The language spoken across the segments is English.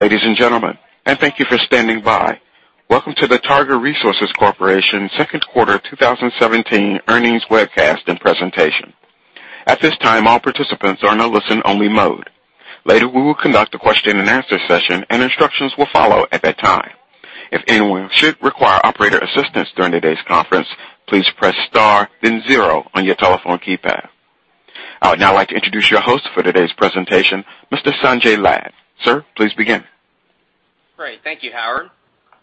Ladies and gentlemen, thank you for standing by. Welcome to the Targa Resources Corporation Second Quarter 2017 Earnings Webcast and Presentation. At this time, all participants are in a listen-only mode. Later, we will conduct a question and answer session, and instructions will follow at that time. If anyone should require operator assistance during today's conference, please press star then zero on your telephone keypad. I would now like to introduce your host for today's presentation, Mr. Sanjay Lad. Sir, please begin. Great. Thank you, Howard.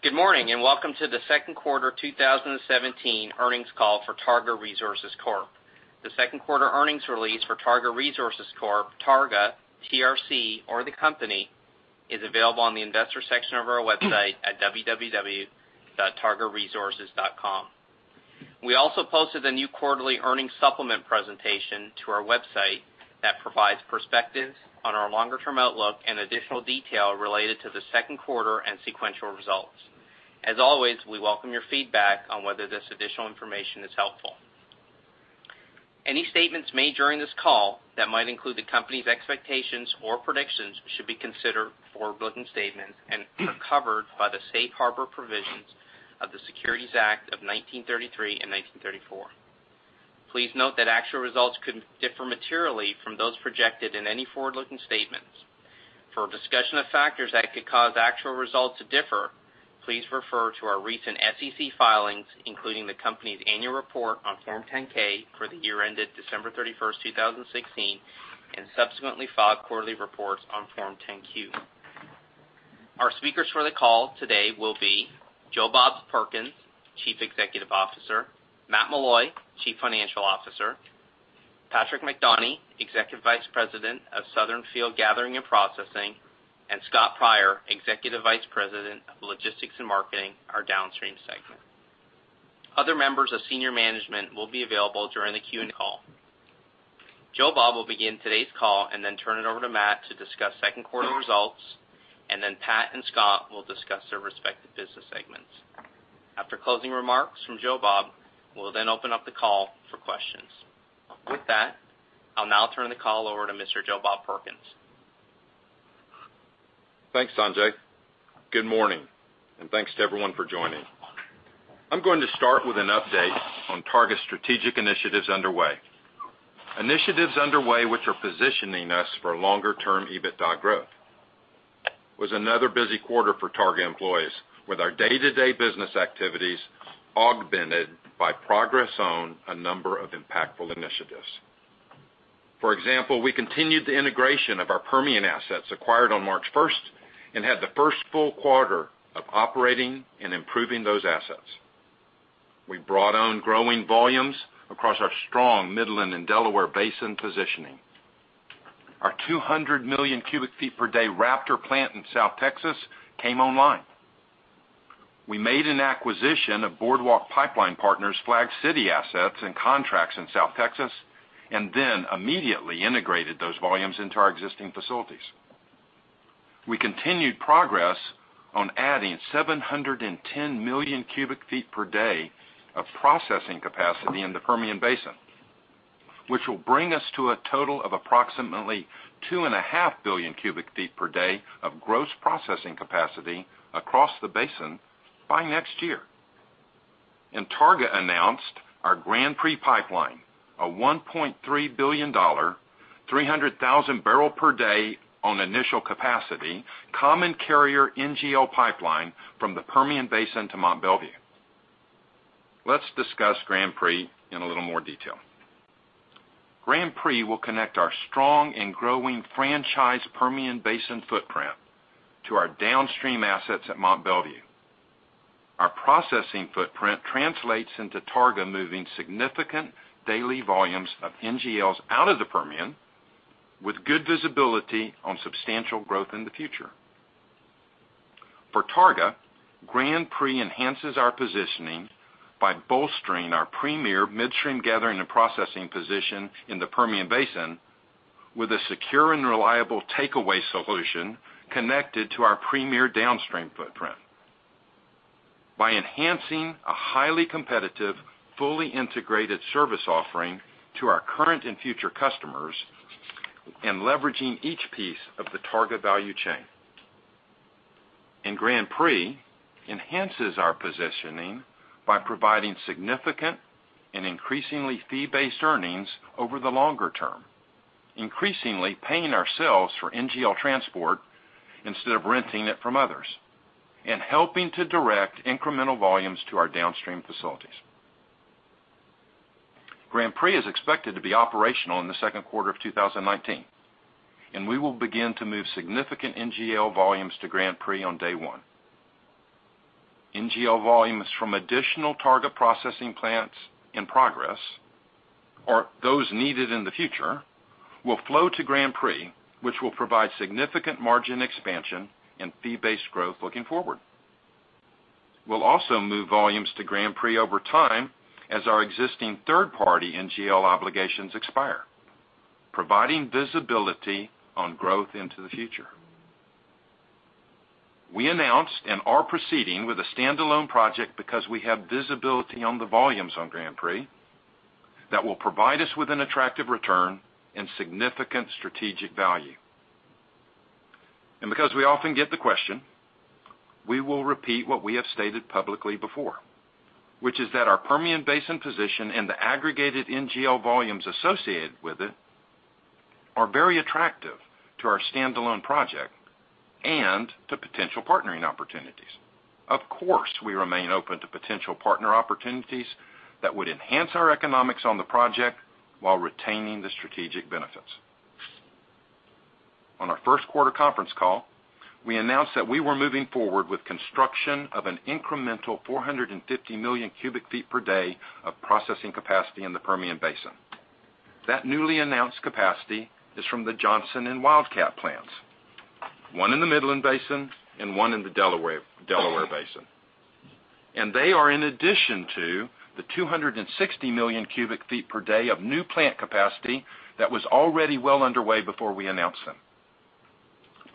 Good morning, and welcome to the second quarter 2017 earnings call for Targa Resources Corp. The second quarter earnings release for Targa Resources Corp, Targa, TRC, or the company, is available on the investor section of our website at www.targaresources.com. We also posted a new quarterly earnings supplement presentation to our website that provides perspectives on our longer-term outlook and additional detail related to the second quarter and sequential results. As always, we welcome your feedback on whether this additional information is helpful. Any statements made during this call that might include the company's expectations or predictions should be considered forward-looking statements and are covered by the safe harbor provisions of the Securities Act of 1933 and 1934. Please note that actual results could differ materially from those projected in any forward-looking statements. For a discussion of factors that could cause actual results to differ, please refer to our recent SEC filings, including the company's annual report on Form 10-K for the year ended December 31st, 2016, and subsequently filed quarterly reports on Form 10-Q. Our speakers for the call today will be Joe Bob Perkins, Chief Executive Officer, Matt Meloy, Chief Financial Officer, Patrick McDonie, Executive Vice President of Southern Field Gathering and Processing, and Scott Pryor, Executive Vice President of Logistics and Marketing, our downstream segment. Other members of senior management will be available during the Q&A call. Joe Bob will begin today's call then turn it over to Matt to discuss second quarter results. Pat and Scott will discuss their respective business segments. After closing remarks from Joe Bob, we'll then open up the call for questions. With that, I'll now turn the call over to Mr. Joe Bob Perkins. Thanks, Sanjay. Good morning, thanks to everyone for joining. I'm going to start with an update on Targa's strategic initiatives underway. Initiatives underway which are positioning us for longer-term EBITDA growth. It was another busy quarter for Targa employees with our day-to-day business activities augmented by progress on a number of impactful initiatives. For example, we continued the integration of our Permian assets acquired on March 1st and had the first full quarter of operating and improving those assets. We brought on growing volumes across our strong Midland and Delaware Basin positioning. Our 200 million cubic feet per day Raptor Plant in South Texas came online. We made an acquisition of Boardwalk Pipeline Partners, LP's Flag City assets and contracts in South Texas, then immediately integrated those volumes into our existing facilities. We continued progress on adding 710 million cubic feet per day of processing capacity in the Permian Basin, which will bring us to a total of approximately 2.5 billion cubic feet per day of gross processing capacity across the basin by next year. Targa announced our Grand Prix Pipeline, a $1.3 billion, 300,000-barrel-per-day on initial capacity, common carrier NGL pipeline from the Permian Basin to Mont Belvieu. Let's discuss Grand Prix Pipeline in a little more detail. Grand Prix Pipeline will connect our strong and growing franchise Permian Basin footprint to our downstream assets at Mont Belvieu. Our processing footprint translates into Targa moving significant daily volumes of NGLs out of the Permian with good visibility on substantial growth in the future. For Targa, Grand Prix Pipeline enhances our positioning by bolstering our premier midstream gathering and processing position in the Permian Basin with a secure and reliable takeaway solution connected to our premier downstream footprint. By enhancing a highly competitive, fully integrated service offering to our current and future customers and leveraging each piece of the Targa value chain. Grand Prix Pipeline enhances our positioning by providing significant and increasingly fee-based earnings over the longer term, increasingly paying ourselves for NGL transport instead of renting it from others, and helping to direct incremental volumes to our downstream facilities. Grand Prix Pipeline is expected to be operational in the 2Q 2019, we will begin to move significant NGL volumes to Grand Prix Pipeline on day one. NGL volumes from additional Targa processing plants in progress or those needed in the future will flow to Grand Prix Pipeline, which will provide significant margin expansion and fee-based growth looking forward. We'll also move volumes to Grand Prix Pipeline over time as our existing third-party NGL obligations expire, providing visibility on growth into the future. We announced and are proceeding with a standalone project because we have visibility on the volumes on Grand Prix Pipeline that will provide us with an attractive return and significant strategic value. Because we often get the question, we will repeat what we have stated publicly before, which is that our Permian Basin position and the aggregated NGL volumes associated with it are very attractive to our standalone project and to potential partnering opportunities. Of course, we remain open to potential partner opportunities that would enhance our economics on the project while retaining the strategic benefits. On our first quarter conference call, we announced that we were moving forward with construction of an incremental 450 million cubic feet per day of processing capacity in the Permian Basin. That newly announced capacity is from the Johnson and Wildcat plants, one in the Midland Basin and one in the Delaware Basin. They are in addition to the 260 million cubic feet per day of new plant capacity that was already well underway before we announced them.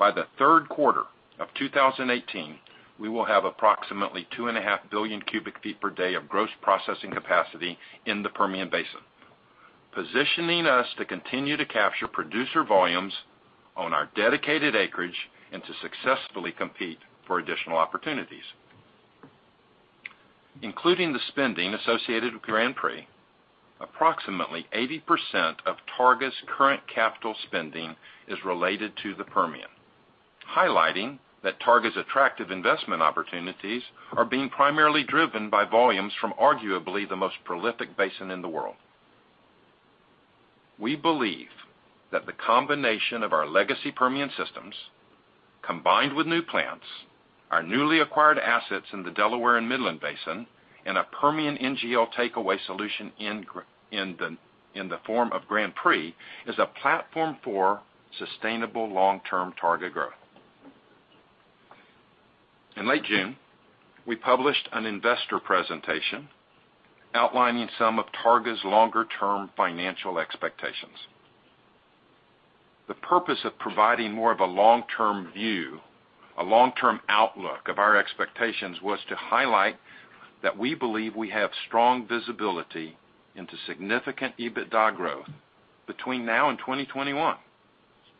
By the third quarter of 2018, we will have approximately 2.5 billion cubic feet per day of gross processing capacity in the Permian Basin, positioning us to continue to capture producer volumes on our dedicated acreage and to successfully compete for additional opportunities. Including the spending associated with Grand Prix, approximately 80% of Targa's current capital spending is related to the Permian, highlighting that Targa's attractive investment opportunities are being primarily driven by volumes from arguably the most prolific basin in the world. We believe that the combination of our legacy Permian systems, combined with new plants, our newly acquired assets in the Delaware and Midland Basin, and a Permian NGL takeaway solution in the form of Grand Prix, is a platform for sustainable long-term Targa growth. In late June, we published an investor presentation outlining some of Targa's longer-term financial expectations. The purpose of providing more of a long-term view, a long-term outlook of our expectations was to highlight that we believe we have strong visibility into significant EBITDA growth between now and 2021,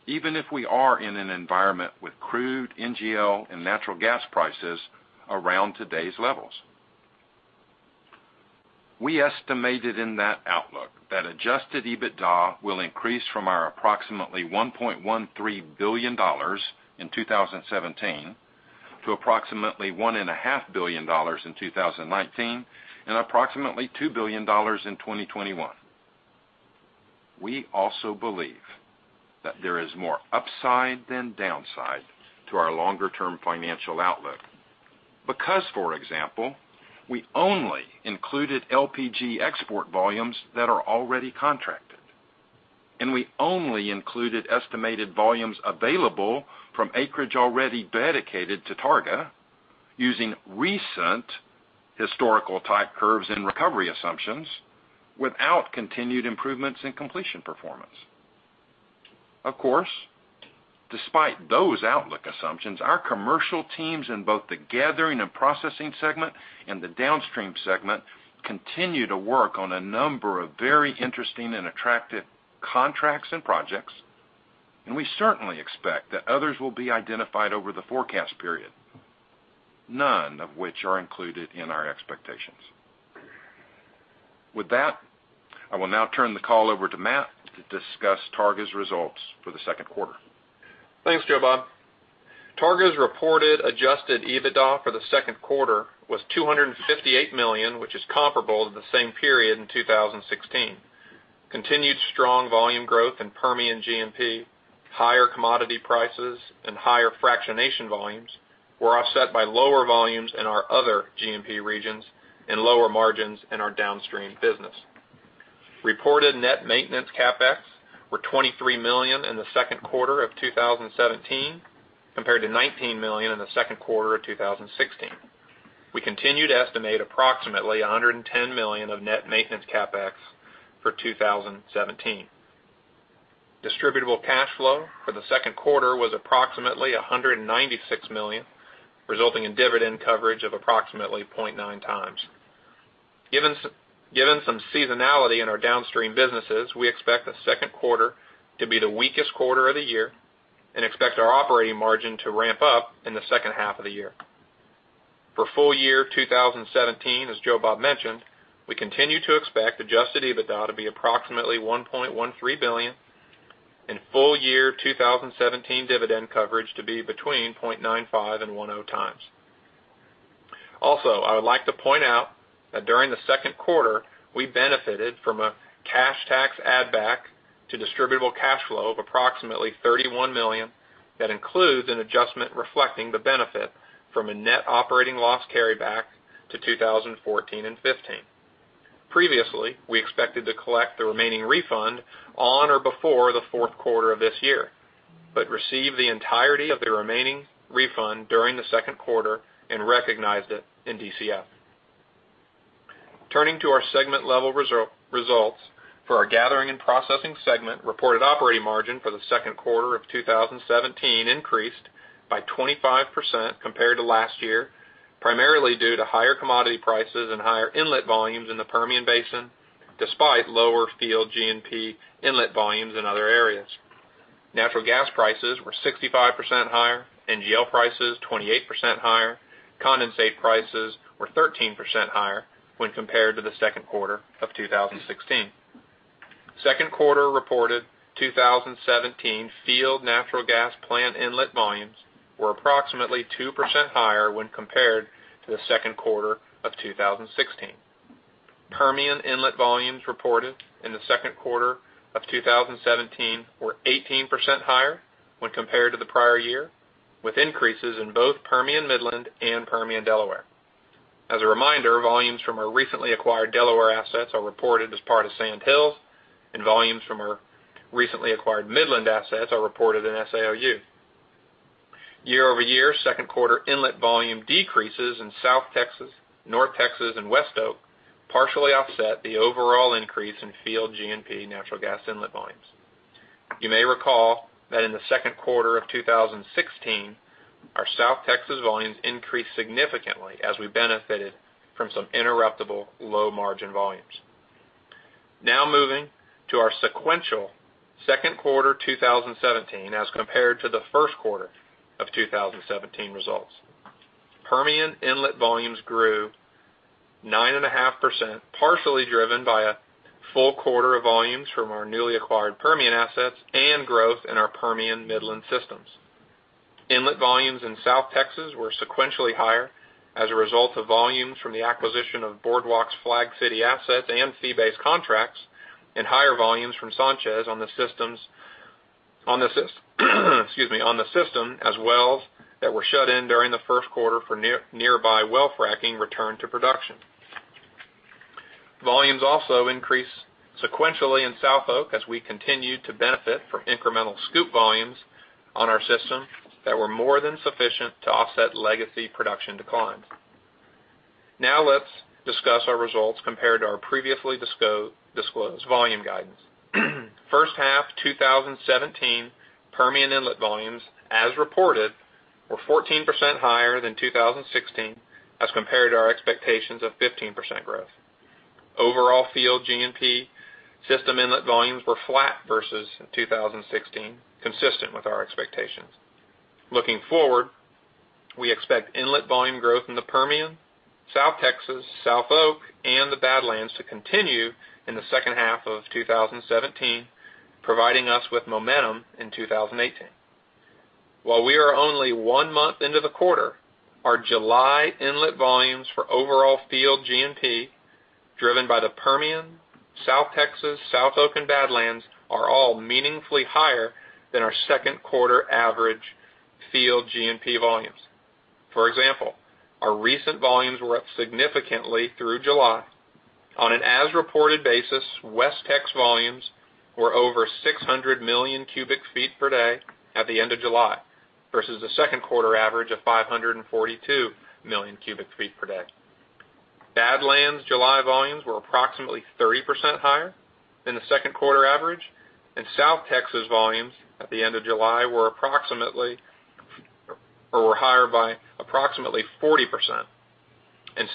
even if we are in an environment with crude NGL and natural gas prices around today's levels. We estimated in that outlook that adjusted EBITDA will increase from our approximately $1.13 billion in 2017 to approximately $1.5 billion in 2019 and approximately $2 billion in 2021. For example, we only included LPG export volumes that are already contracted, and we only included estimated volumes available from acreage already dedicated to Targa, using recent historical type curves and recovery assumptions without continued improvements in completion performance. Of course, despite those outlook assumptions, our commercial teams in both the Gathering and Processing segment and the downstream segment continue to work on a number of very interesting and attractive contracts and projects. We certainly expect that others will be identified over the forecast period, none of which are included in our expectations. With that, I will now turn the call over to Matt to discuss Targa's results for the second quarter. Thanks, Joe Bob. Targa's reported adjusted EBITDA for the second quarter was $258 million, which is comparable to the same period in 2016. Continued strong volume growth in Permian G&P, higher commodity prices, and higher fractionation volumes were offset by lower volumes in our other G&P regions and lower margins in our downstream business. Reported net maintenance CapEx were $23 million in the second quarter of 2017 compared to $19 million in the second quarter of 2016. We continue to estimate approximately $110 million of net maintenance CapEx for 2017. Distributable cash flow for the second quarter was approximately $196 million, resulting in dividend coverage of approximately 0.9 times. Given some seasonality in our downstream businesses, we expect the second quarter to be the weakest quarter of the year and expect our operating margin to ramp up in the second half of the year. For full year 2017, as Joe Bob mentioned, we continue to expect adjusted EBITDA to be approximately $1.13 billion and full year 2017 dividend coverage to be between 0.95 and 1.0 times. Also, I would like to point out that during the second quarter, we benefited from a cash tax add back to distributable cash flow of approximately $31 million that includes an adjustment reflecting the benefit from a net operating loss carryback to 2014 and 2015. Previously, we expected to collect the remaining refund on or before the fourth quarter of this year, but received the entirety of the remaining refund during the second quarter and recognized it in DCF. Turning to our segment level results. For our Gathering and Processing segment, reported operating margin for the second quarter of 2017 increased by 25% compared to last year. Primarily due to higher commodity prices and higher inlet volumes in the Permian Basin, despite lower field G&P inlet volumes in other areas. Natural gas prices were 65% higher, NGL prices 28% higher, condensate prices were 13% higher when compared to the second quarter of 2016. Second quarter reported 2017 field natural gas plant inlet volumes were approximately 2% higher when compared to the second quarter of 2016. Permian inlet volumes reported in the second quarter of 2017 were 18% higher when compared to the prior year, with increases in both Permian Midland and Permian Delaware. As a reminder, volumes from our recently acquired Delaware assets are reported as part of Sand Hills, and volumes from our recently acquired Midland assets are reported in SAOU. Year-over-year second quarter inlet volume decreases in South Texas, North Texas, and WestOK partially offset the overall increase in field G&P natural gas inlet volumes. You may recall that in the second quarter of 2016, our South Texas volumes increased significantly as we benefited from some interruptible low-margin volumes. Now moving to our sequential second quarter 2017 as compared to the first quarter of 2017 results. Permian inlet volumes grew 9.5%, partially driven by a full quarter of volumes from our newly acquired Permian assets and growth in our Permian Midland systems. Inlet volumes in South Texas were sequentially higher as a result of volumes from the acquisition of Boardwalk's Flag City assets and fee-based contracts, and higher volumes from Sanchez on the system as wells that were shut in during the first quarter for nearby well fracking returned to production. Volumes also increased sequentially in SouthOK as we continued to benefit from incremental SCOOP volumes on our system that were more than sufficient to offset legacy production declines. Now let's discuss our results compared to our previously disclosed volume guidance. First half 2017 Permian inlet volumes as reported, were 14% higher than 2016 as compared to our expectations of 15% growth. Overall field G&P system inlet volumes were flat versus 2016, consistent with our expectations. Looking forward, we expect inlet volume growth in the Permian, South Texas, SouthOK, and Badlands to continue in the second half of 2017, providing us with momentum in 2018. While we are only one month into the quarter, our July inlet volumes for overall field G&P, driven by the Permian, South Texas, SouthOK, and Badlands, are all meaningfully higher than our second quarter average field G&P volumes. For example, our recent volumes were up significantly through July. On an as-reported basis, WestTX volumes were over 600 million cubic feet per day at the end of July, versus a second quarter average of 542 million cubic feet per day. Badlands July volumes were approximately 30% higher than the second quarter average. South Texas volumes at the end of July were higher by approximately 40%.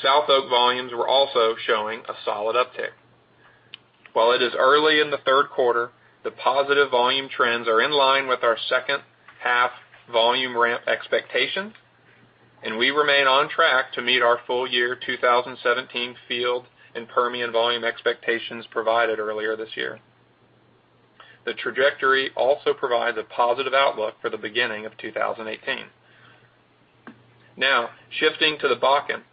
SouthOK volumes were also showing a solid uptick. While it is early in the third quarter, the positive volume trends are in line with our second-half volume ramp expectations, and we remain on track to meet our full year 2017 field and Permian volume expectations provided earlier this year. The trajectory also provides a positive outlook for the beginning of 2018. Now, shifting to the Bakken.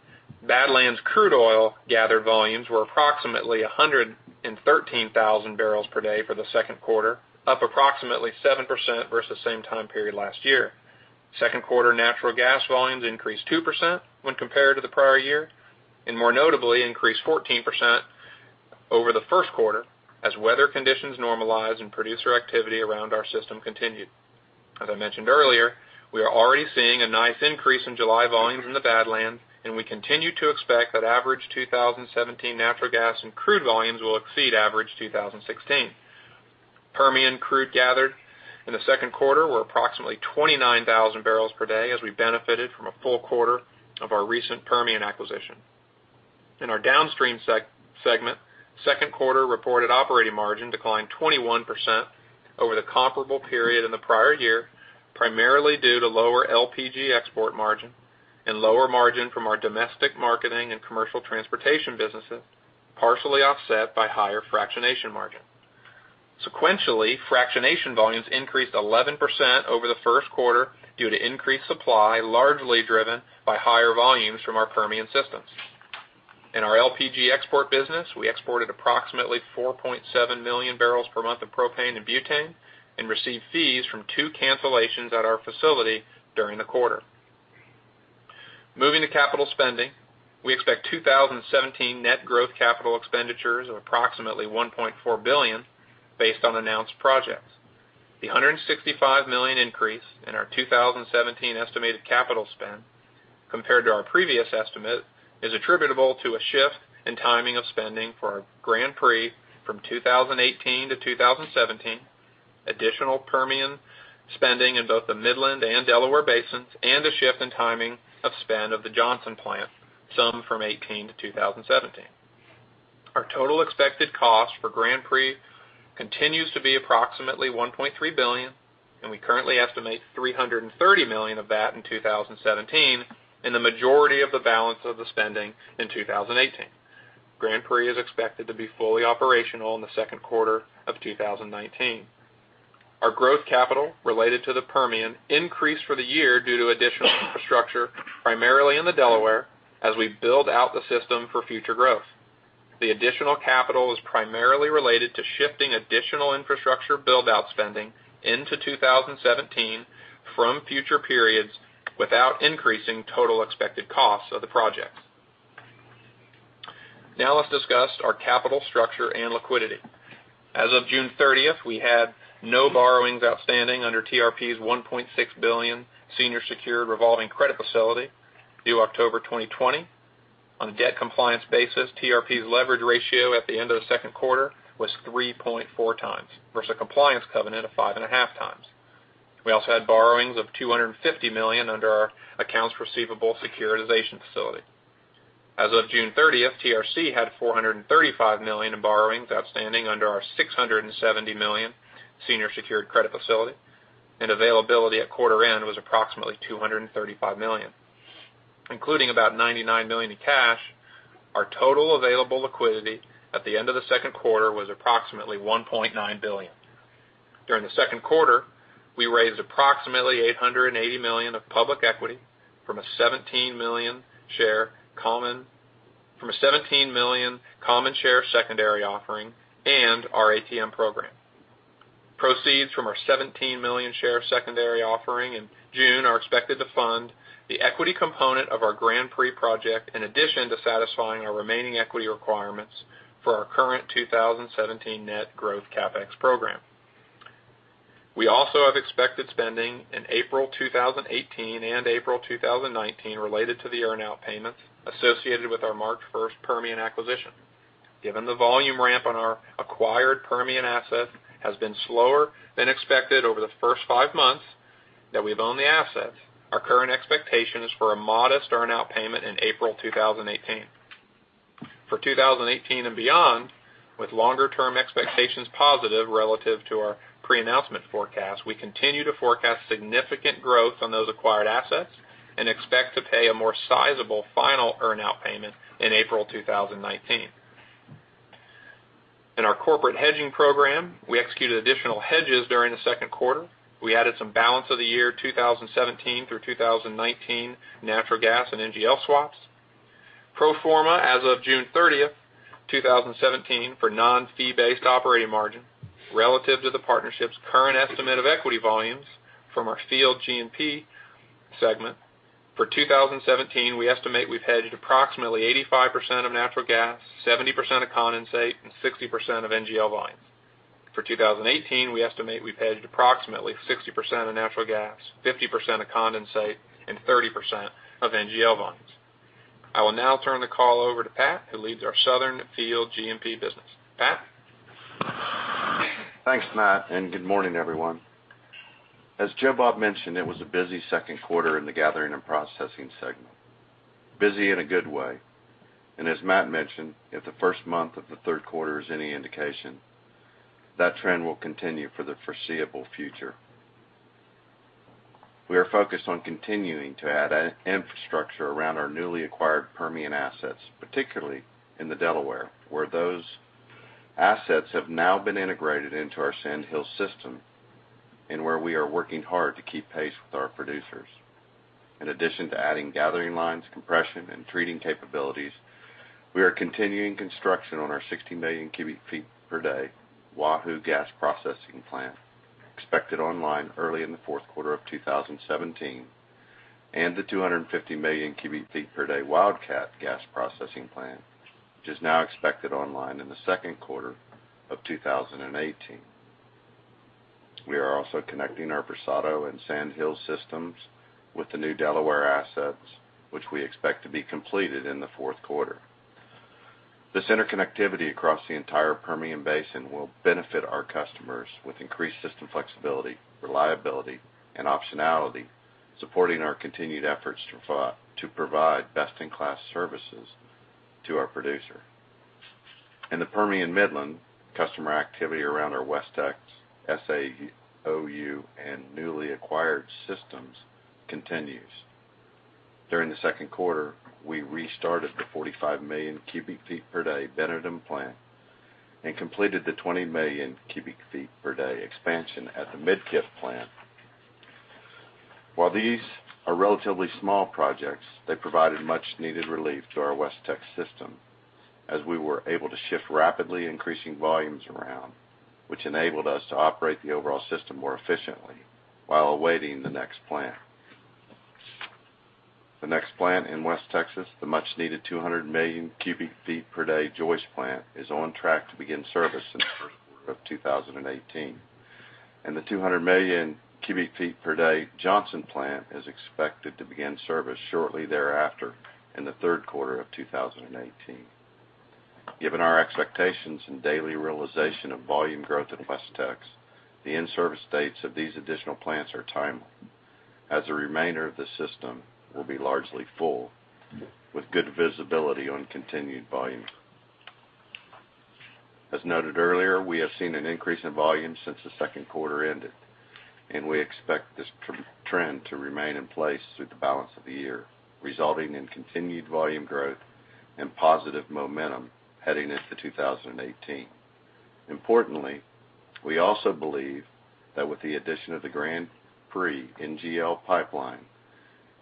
Badlands crude oil gathered volumes were approximately 113,000 barrels per day for the second quarter, up approximately 7% versus same time period last year. Second quarter natural gas volumes increased 2% when compared to the prior year, and more notably, increased 14% over the first quarter as weather conditions normalized and producer activity around our system continued. As I mentioned earlier, we are already seeing a nice increase in July volumes in the Badlands, and we continue to expect that average 2017 natural gas and crude volumes will exceed average 2016. Permian crude gathered in the second quarter were approximately 29,000 barrels per day as we benefited from a full quarter of our recent Permian acquisition. In our downstream segment, second quarter reported operating margin declined 21% over the comparable period in the prior year, primarily due to lower LPG export margin and lower margin from our domestic marketing and commercial transportation businesses, partially offset by higher fractionation margin. Sequentially, fractionation volumes increased 11% over the first quarter due to increased supply, largely driven by higher volumes from our Permian systems. In our LPG export business, we exported approximately 4.7 million barrels per month of propane and butane and received fees from two cancellations at our facility during the quarter. Moving to capital spending. We expect 2017 net growth capital expenditures of approximately $1.4 billion based on announced projects. The $165 million increase in our 2017 estimated capital spend compared to our previous estimate is attributable to a shift in timing of spending for our Grand Prix from 2018 to 2017, additional Permian spending in both the Midland and Delaware Basins, and a shift in timing of spend of the Johnson Plant, some from 2018 to 2017. Our total expected cost for Grand Prix continues to be approximately $1.3 billion, and we currently estimate $330 million of that in 2017, and the majority of the balance of the spending in 2018. Grand Prix is expected to be fully operational in the second quarter of 2019. Our growth capital related to the Permian increased for the year due to additional infrastructure, primarily in the Delaware, as we build out the system for future growth. The additional capital is primarily related to shifting additional infrastructure build-out spending into 2017 from future periods without increasing total expected costs of the projects. Let's discuss our capital structure and liquidity. As of June 30th, we had no borrowings outstanding under TRP's $1.6 billion senior secured revolving credit facility due October 2020. On a debt compliance basis, TRP's leverage ratio at the end of the second quarter was 3.4 times, versus a compliance covenant of 5.5 times. We also had borrowings of $250 million under our accounts receivable securitization facility. As of June 30th, TRC had $435 million in borrowings outstanding under our $670 million senior secured credit facility, and availability at quarter end was approximately $235 million. Including about $99 million in cash, our total available liquidity at the end of the second quarter was approximately $1.9 billion. During the second quarter, we raised approximately $880 million of public equity from a 17 million common share secondary offering and our ATM program. Proceeds from our 17 million share secondary offering in June are expected to fund the equity component of our Grand Prix, in addition to satisfying our remaining equity requirements for our current 2017 net growth CapEx program. We also have expected spending in April 2018 and April 2019 related to the earn-out payments associated with our March 1st Permian acquisition. Given the volume ramp on our acquired Permian asset has been slower than expected over the first five months that we've owned the asset, our current expectation is for a modest earn-out payment in April 2018. For 2018 and beyond, with longer-term expectations positive relative to our pre-announcement forecast, we continue to forecast significant growth on those acquired assets and expect to pay a more sizable final earn-out payment in April 2019. In our corporate hedging program, we executed additional hedges during the second quarter. We added some balance of the year 2017 through 2019 natural gas and NGL swaps. Pro forma as of June 30th, 2017, for non-fee-based operating margin relative to the partnership's current estimate of equity volumes from our field G&P segment. For 2017, we estimate we've hedged approximately 85% of natural gas, 70% of condensate, and 60% of NGL volumes. For 2018, we estimate we've hedged approximately 60% of natural gas, 50% of condensate, and 30% of NGL volumes. I will now turn the call over to Pat, who leads our Southern Field G&P business. Pat? Thanks, Matt, and good morning, everyone. As Joe Bob mentioned, it was a busy second quarter in the gathering and processing segment. Busy in a good way. As Matt mentioned, if the first month of the third quarter is any indication, that trend will continue for the foreseeable future. We are focused on continuing to add infrastructure around our newly acquired Permian assets, particularly in the Delaware, where those assets have now been integrated into our Sand Hills system, and where we are working hard to keep pace with our producers. In addition to adding gathering lines, compression, and treating capabilities, we are continuing construction on our 60 million cubic feet per day Wahoo gas processing plant, expected online early in the fourth quarter of 2017, and the 250 million cubic feet per day Wildcat Gas Plant, which is now expected online in the second quarter of 2018. We are also connecting our Versado and Sand Hills systems with the new Delaware assets, which we expect to be completed in the fourth quarter. This interconnectivity across the entire Permian Basin will benefit our customers with increased system flexibility, reliability, and optionality, supporting our continued efforts to provide best-in-class services to our producer. In the Permian Midland, customer activity around our West Texas SAOU and newly acquired systems continues. During the second quarter, we restarted the 45 million cubic feet per day Bennington Plant and completed the 20 million cubic feet per day expansion at the Midkiff Plant. While these are relatively small projects, they provided much needed relief to our West Texas system, as we were able to shift rapidly increasing volumes around, which enabled us to operate the overall system more efficiently while awaiting the next plant. The next plant in West Texas, the much needed 200 million cubic feet per day Joyce Plant, is on track to begin service in the first quarter of 2018, and the 200 million cubic feet per day Johnson Gas Processing Plant is expected to begin service shortly thereafter in the third quarter of 2018. Given our expectations and daily realization of volume growth in West Texas, the in-service dates of these additional plants are timely, as the remainder of the system will be largely full with good visibility on continued volume. As noted earlier, we have seen an increase in volume since the second quarter ended, and we expect this trend to remain in place through the balance of the year, resulting in continued volume growth and positive momentum heading into 2018. Importantly, we also believe that with the addition of the Grand Prix NGL Pipeline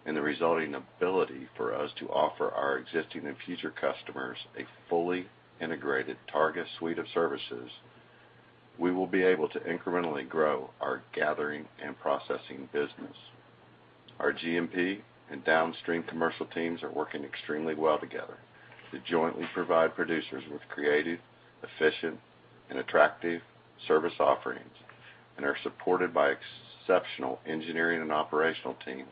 and the resulting ability for us to offer our existing and future customers a fully integrated Targa suite of services, we will be able to incrementally grow our gathering and processing business. Our G&P and downstream commercial teams are working extremely well together to jointly provide producers with creative, efficient, and attractive service offerings, and are supported by exceptional engineering and operational teams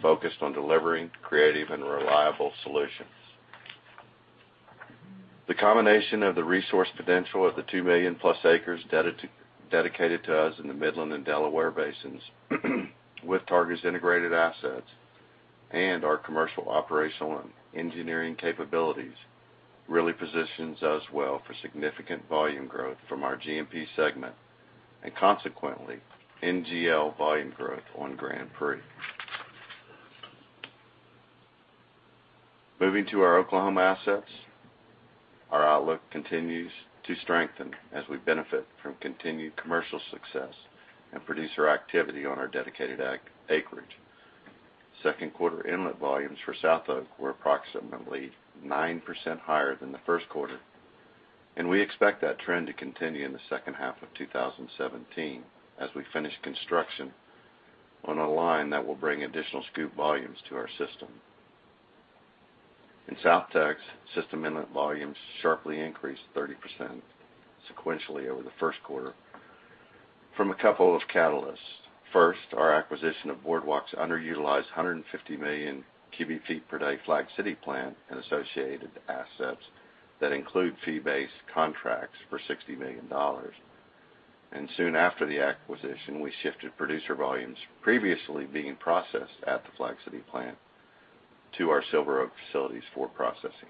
focused on delivering creative and reliable solutions. The combination of the resource potential of the 2 million plus acres dedicated to us in the Midland and Delaware Basins with Targa's integrated assets and our commercial, operational, and engineering capabilities really positions us well for significant volume growth from our G&P segment and consequently, NGL volume growth on Grand Prix. Moving to our Oklahoma assets, our outlook continues to strengthen as we benefit from continued commercial success and producer activity on our dedicated acreage. Second quarter inlet volumes for SouthOK were approximately 9% higher than the first quarter, and we expect that trend to continue in the second half of 2017 as we finish construction on a line that will bring additional SCOOP volumes to our system. In South Texas, system inlet volumes sharply increased 30% sequentially over the first quarter from a couple of catalysts. First, our acquisition of Boardwalk's underutilized 150 million cubic feet per day Flag City Plant and associated assets that include fee-based contracts for $60 million. Soon after the acquisition, we shifted producer volumes previously being processed at the Flag City Plant to our Silver Oak facilities for processing.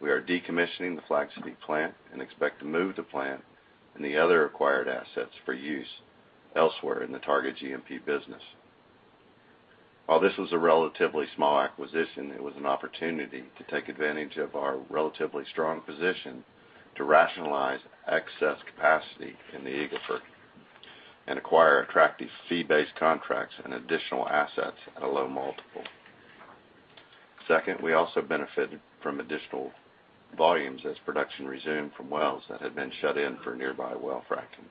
We are decommissioning the Flag City plant and expect to move the plant and the other acquired assets for use elsewhere in the Targa G&P business. While this was a relatively small acquisition, it was an opportunity to take advantage of our relatively strong position to rationalize excess capacity in the Eagle Ford and acquire attractive fee-based contracts and additional assets at a low multiple. Second, we also benefited from additional volumes as production resumed from wells that had been shut in for nearby well fracking.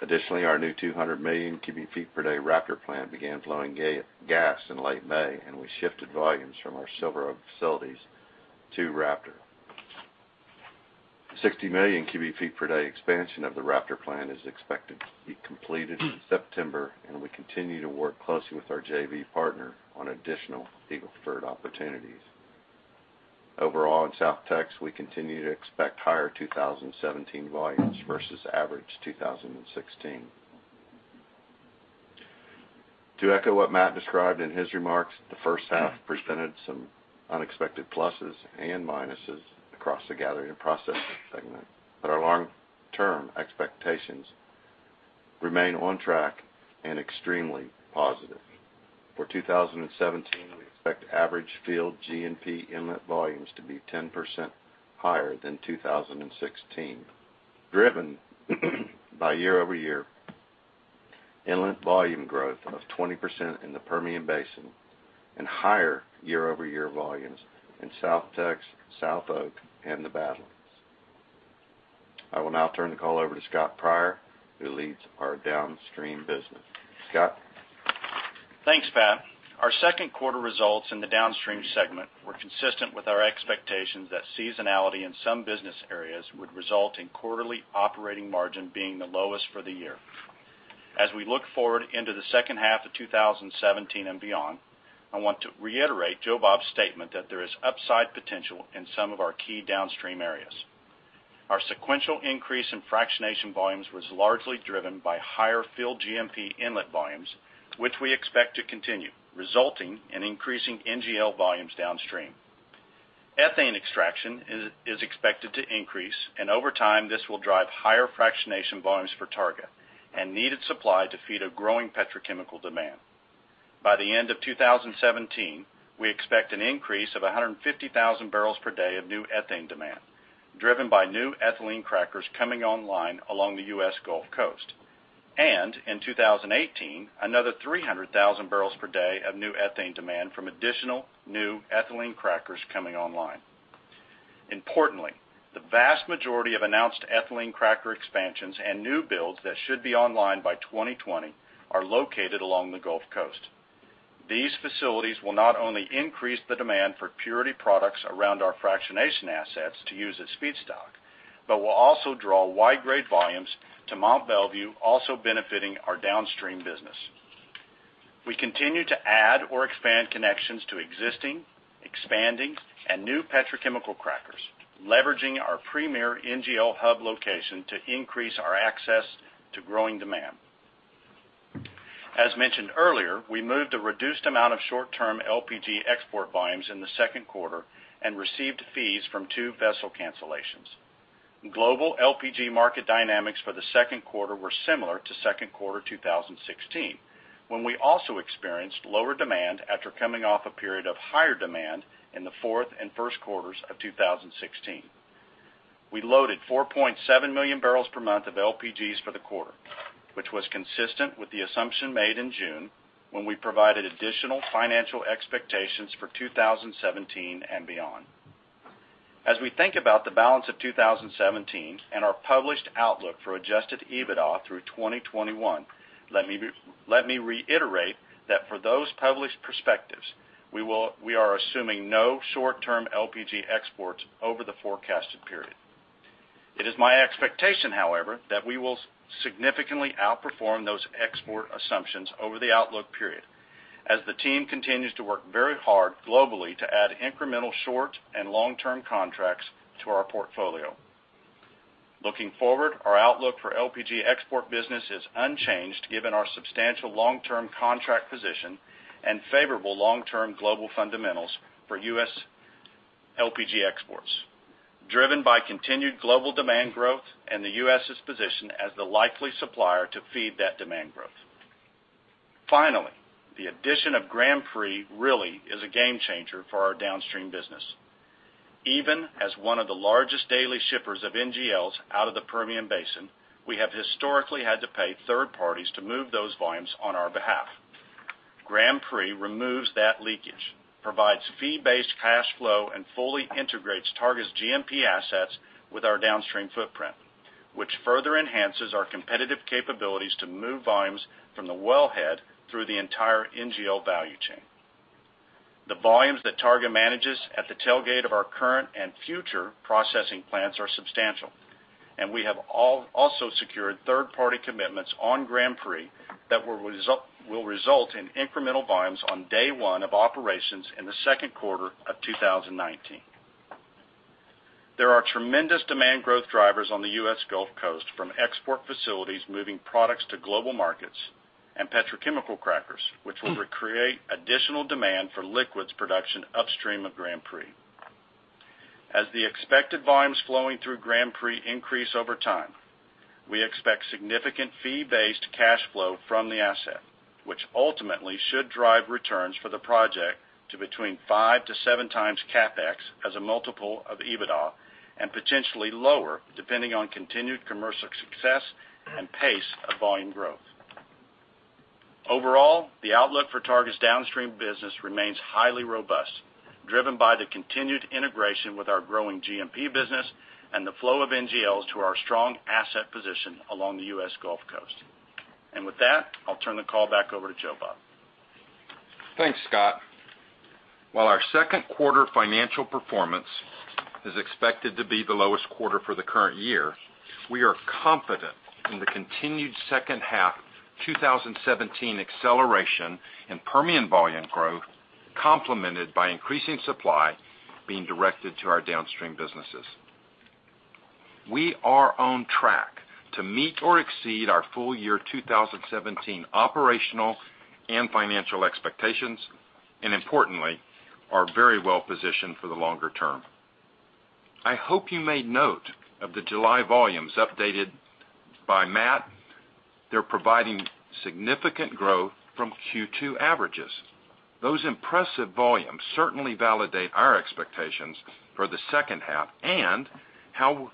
Additionally, our new 200 million cubic feet per day Raptor Plant began flowing gas in late May, and we shifted volumes from our Silver Oak facilities to Raptor. 60 million cubic feet per day expansion of the Raptor Plant is expected to be completed in September, and we continue to work closely with our JV partner on additional Eagle Ford opportunities. Overall, in South Texas, we continue to expect higher 2017 volumes versus average 2016. To echo what Matt described in his remarks, the first half presented some unexpected pluses and minuses across the Gathering and Processing segment. Our long-term expectations remain on track and extremely positive. For 2017, we expect average field G&P inlet volumes to be 10% higher than 2016, driven by year-over-year inlet volume growth of 20% in the Permian Basin and higher year-over-year volumes in South Texas, SouthOK, and the Badlands. I will now turn the call over to Scott Pryor, who leads our downstream business. Scott? Thanks, Pat. Our second quarter results in the downstream segment were consistent with our expectations that seasonality in some business areas would result in quarterly operating margin being the lowest for the year. As we look forward into the second half of 2017 and beyond, I want to reiterate Joe Bob's statement that there is upside potential in some of our key downstream areas. Our sequential increase in fractionation volumes was largely driven by higher field G&P inlet volumes, which we expect to continue, resulting in increasing NGL volumes downstream. Ethane extraction is expected to increase, and over time, this will drive higher fractionation volumes for Targa and needed supply to feed a growing petrochemical demand. By the end of 2017, we expect an increase of 150,000 barrels per day of new ethane demand, driven by new ethylene crackers coming online along the U.S. Gulf Coast. In 2018, another 300,000 barrels per day of new ethane demand from additional new ethylene crackers coming online. Importantly, the vast majority of announced ethylene cracker expansions and new builds that should be online by 2020 are located along the Gulf Coast. These facilities will not only increase the demand for purity products around our fractionation assets to use as feedstock, but will also draw Y-grade volumes to Mont Belvieu, also benefiting our downstream business. We continue to add or expand connections to existing, expanding, and new petrochemical crackers, leveraging our premier NGL hub location to increase our access to growing demand. As mentioned earlier, we moved a reduced amount of short-term LPG export volumes in the second quarter and received fees from two vessel cancellations. Global LPG market dynamics for the second quarter were similar to second quarter 2016, when we also experienced lower demand after coming off a period of higher demand in the fourth and first quarters of 2016. We loaded 4.7 million barrels per month of LPGs for the quarter, which was consistent with the assumption made in June when we provided additional financial expectations for 2017 and beyond. As we think about the balance of 2017 and our published outlook for adjusted EBITDA through 2021, let me reiterate that for those published perspectives, we are assuming no short-term LPG exports over the forecasted period. It is my expectation, however, that we will significantly outperform those export assumptions over the outlook period as the team continues to work very hard globally to add incremental short- and long-term contracts to our portfolio. Looking forward, our outlook for LPG export business is unchanged given our substantial long-term contract position and favorable long-term global fundamentals for U.S. LPG exports, driven by continued global demand growth and the U.S.'s position as the likely supplier to feed that demand growth. Finally, the addition of Grand Prix really is a game changer for our downstream business. Even as one of the largest daily shippers of NGLs out of the Permian Basin, we have historically had to pay third parties to move those volumes on our behalf. Grand Prix removes that leakage, provides fee-based cash flow, and fully integrates Targa's G&P assets with our downstream footprint, which further enhances our competitive capabilities to move volumes from the wellhead through the entire NGL value chain. The volumes that Targa manages at the tailgate of our current and future processing plants are substantial, and we have also secured third-party commitments on Grand Prix that will result in incremental volumes on day one of operations in the second quarter of 2019. There are tremendous demand growth drivers on the U.S. Gulf Coast, from export facilities moving products to global markets and petrochemical crackers, which will create additional demand for liquids production upstream of Grand Prix. As the expected volumes flowing through Grand Prix increase over time, we expect significant fee-based cash flow from the asset, which ultimately should drive returns for the project to between five to seven times CapEx as a multiple of EBITDA and potentially lower depending on continued commercial success and pace of volume growth. Overall, the outlook for Targa's downstream business remains highly robust, driven by the continued integration with our growing G&P business and the flow of NGLs to our strong asset position along the U.S. Gulf Coast. With that, I'll turn the call back over to Joe Bob. Thanks, Scott. While our second quarter financial performance is expected to be the lowest quarter for the current year, we are confident in the continued second half 2017 acceleration in Permian volume growth, complemented by increasing supply being directed to our downstream businesses. We are on track to meet or exceed our full year 2017 operational and financial expectations, importantly, are very well positioned for the longer term. I hope you made note of the July volumes updated by Matt. They're providing significant growth from Q2 averages. Those impressive volumes certainly validate our expectations for the second half and how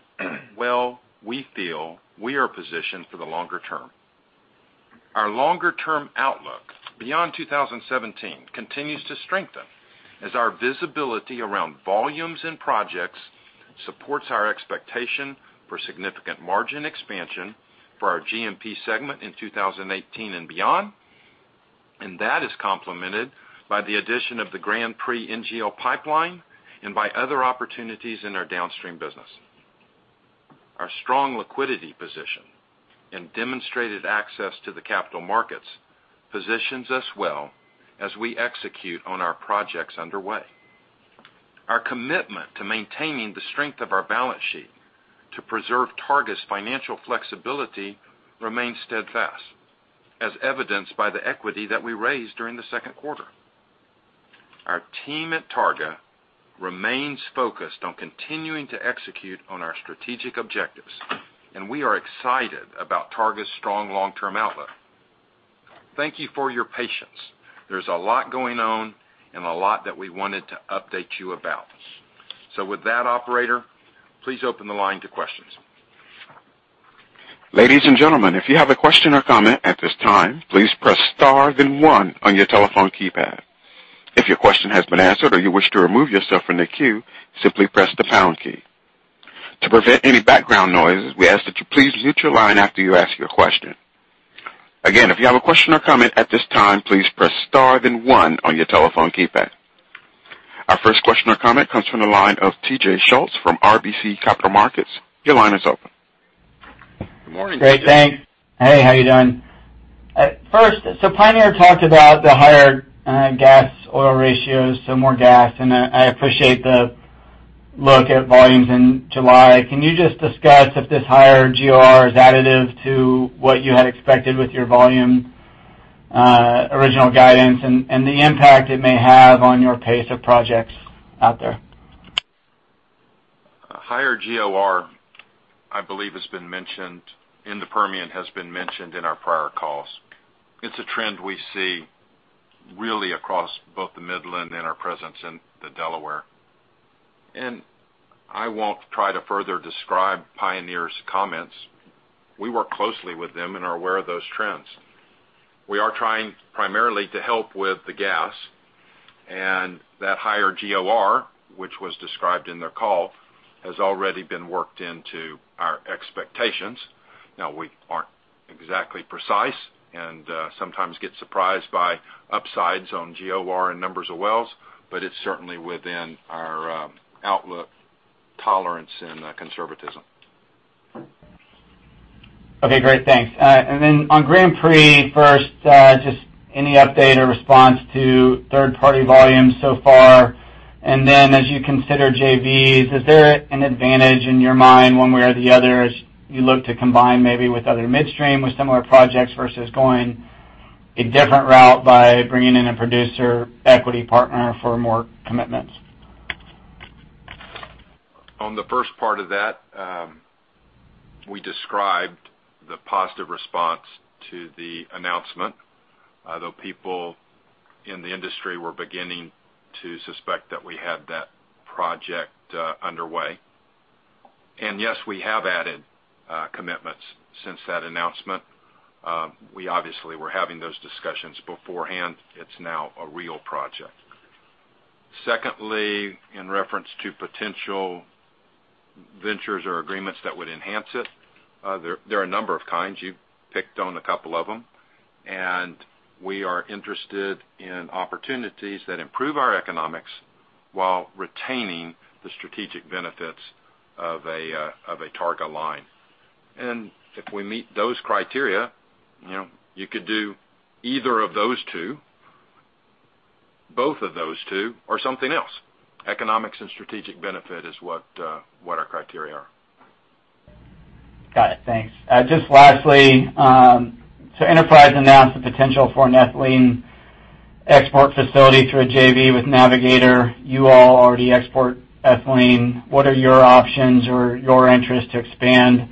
well we feel we are positioned for the longer term. Our longer-term outlook beyond 2017 continues to strengthen as our visibility around volumes and projects supports our expectation for significant margin expansion for our G&P segment in 2018 and beyond, that is complemented by the addition of the Grand Prix NGL Pipeline and by other opportunities in our downstream business. Our strong liquidity position and demonstrated access to the capital markets positions us well as we execute on our projects underway. Our commitment to maintaining the strength of our balance sheet to preserve Targa's financial flexibility remains steadfast, as evidenced by the equity that we raised during the second quarter. Our team at Targa remains focused on continuing to execute on our strategic objectives, we are excited about Targa's strong long-term outlook. Thank you for your patience. There's a lot going on and a lot that we wanted to update you about. With that, operator, please open the line to questions. Ladies and gentlemen, if you have a question or comment at this time, please press star then one on your telephone keypad. If your question has been answered or you wish to remove yourself from the queue, simply press the pound key. To prevent any background noise, we ask that you please mute your line after you ask your question. Again, if you have a question or comment at this time, please press star then one on your telephone keypad. Our first question or comment comes from the line of TJ Schultz from RBC Capital Markets. Your line is open. Good morning. Great. Thanks. Hey, how you doing? First, Pioneer talked about the higher gas oil ratios, so more gas, and I appreciate the look at volumes in July. Can you just discuss if this higher GOR is additive to what you had expected with your volume, original guidance and the impact it may have on your pace of projects out there? A higher GOR, I believe, in the Permian, has been mentioned in our prior calls. It's a trend we see really across both the Midland and our presence in the Delaware. I won't try to further describe Pioneer's comments. We work closely with them and are aware of those trends. We are trying primarily to help with the gas and that higher GOR, which was described in their call, has already been worked into our expectations. Now we aren't exactly precise and sometimes get surprised by upsides on GOR and numbers of wells, but it's certainly within our outlook tolerance and conservatism. Okay, great. Thanks. On Grand Prix first, just any update or response to third-party volumes so far? As you consider JVs, is there an advantage in your mind one way or the other as you look to combine maybe with other midstream with similar projects versus going a different route by bringing in a producer equity partner for more commitments? On the first part of that, we described the positive response to the announcement. Although people in the industry were beginning to suspect that we had that project underway. Yes, we have added commitments since that announcement. We obviously were having those discussions beforehand. It's now a real project. Secondly, in reference to potential ventures or agreements that would enhance it, there are a number of kinds. You picked on a couple of them, and we are interested in opportunities that improve our economics while retaining the strategic benefits of a Targa line. If we meet those criteria, you could do either of those 2, both of those 2, or something else. Economics and strategic benefit is what our criteria are. Got it. Thanks. Just lastly, Enterprise announced the potential for an ethylene export facility through a JV with Navigator. You all already export ethylene. What are your options or your interest to expand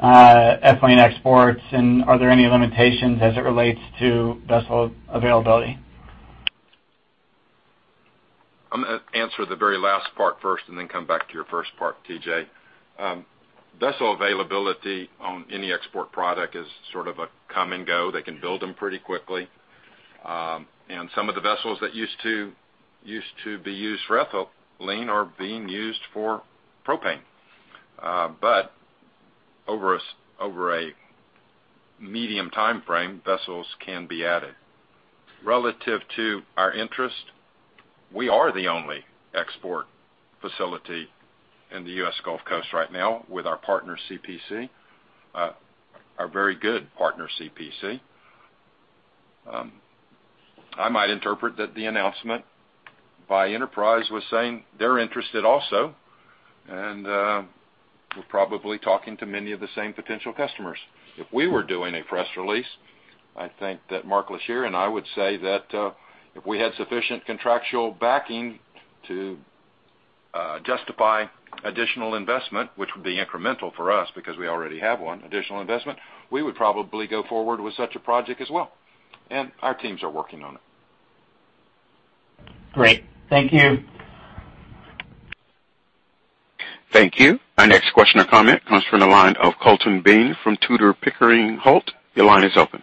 ethylene exports, and are there any limitations as it relates to vessel availability? I'm going to answer the very last part first and then come back to your first part, TJ Vessel availability on any export product is sort of a come and go. They can build them pretty quickly. Some of the vessels that used to be used for ethylene are being used for propane. Over a medium timeframe, vessels can be added. Relative to our interest, we are the only export facility in the U.S. Gulf Coast right now with our partner CPC, our very good partner CPC. I might interpret that the announcement by Enterprise was saying they're interested also, and we're probably talking to many of the same potential customers. If we were doing a press release, I think that Mark Lashier and I would say that, if we had sufficient contractual backing to justify additional investment, which would be incremental for us because we already have one additional investment, we would probably go forward with such a project as well, and our teams are working on it. Great. Thank you. Thank you. Our next question or comment comes from the line of Colton Bean from Tudor, Pickering, Holt & Co. Your line is open.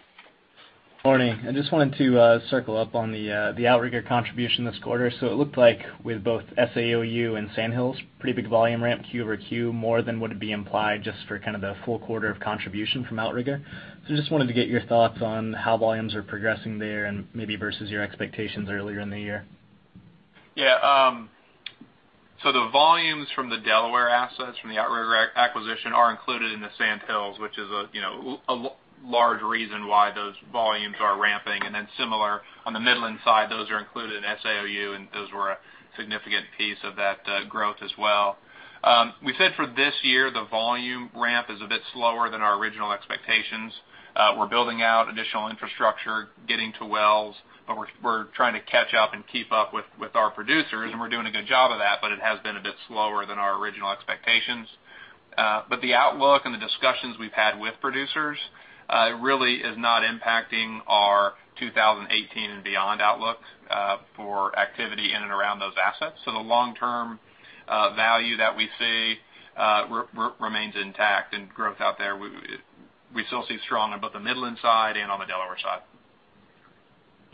Morning. I just wanted to circle up on the Outrigger contribution this quarter. So it looked like with both SAOU and Sand Hills, pretty big volume ramp Q over Q, more than would be implied just for kind of the full quarter of contribution from Outrigger. So just wanted to get your thoughts on how volumes are progressing there and maybe versus your expectations earlier in the year. The volumes from the Delaware assets from the Outrigger acquisition are included in the Sand Hills, which is a large reason why those volumes are ramping. Similar on the Midland side, those are included in SAOU, and those were a significant piece of that growth as well. We said for this year, the volume ramp is a bit slower than our original expectations. We're building out additional infrastructure, getting to wells, but we're trying to catch up and keep up with our producers, and we're doing a good job of that, but it has been a bit slower than our original expectations. The outlook and the discussions we've had with producers, really is not impacting our 2018 and beyond outlook, for activity in and around those assets. The long-term value that we see remains intact and growth out there, we still see strong on both the Midland side and on the Delaware side.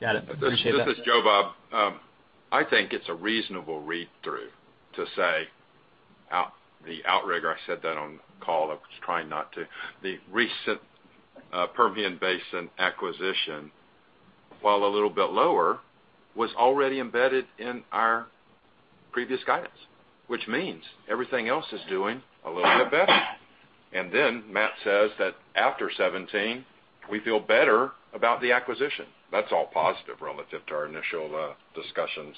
Got it. Appreciate that. This is Joe Bob. I think it's a reasonable read-through to say the Outrigger, I said that on call, I was trying not to. The recent Permian Basin acquisition While a little bit lower, was already embedded in our previous guidance, which means everything else is doing a little bit better. Matt says that after 2017, we feel better about the acquisition. That's all positive relative to our initial discussions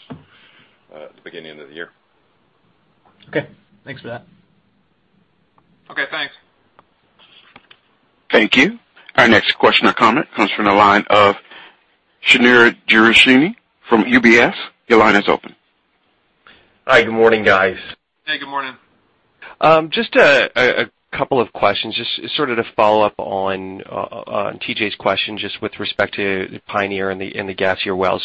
at the beginning of the year. Okay. Thanks for that. Okay, thanks. Thank you. Our next question or comment comes from the line of Sunil Sibal from UBS. Your line is open. Hi. Good morning, guys. Hey, good morning. Just a couple of questions. Just to follow up on TJ's question, just with respect to Pioneer and the gassier wells.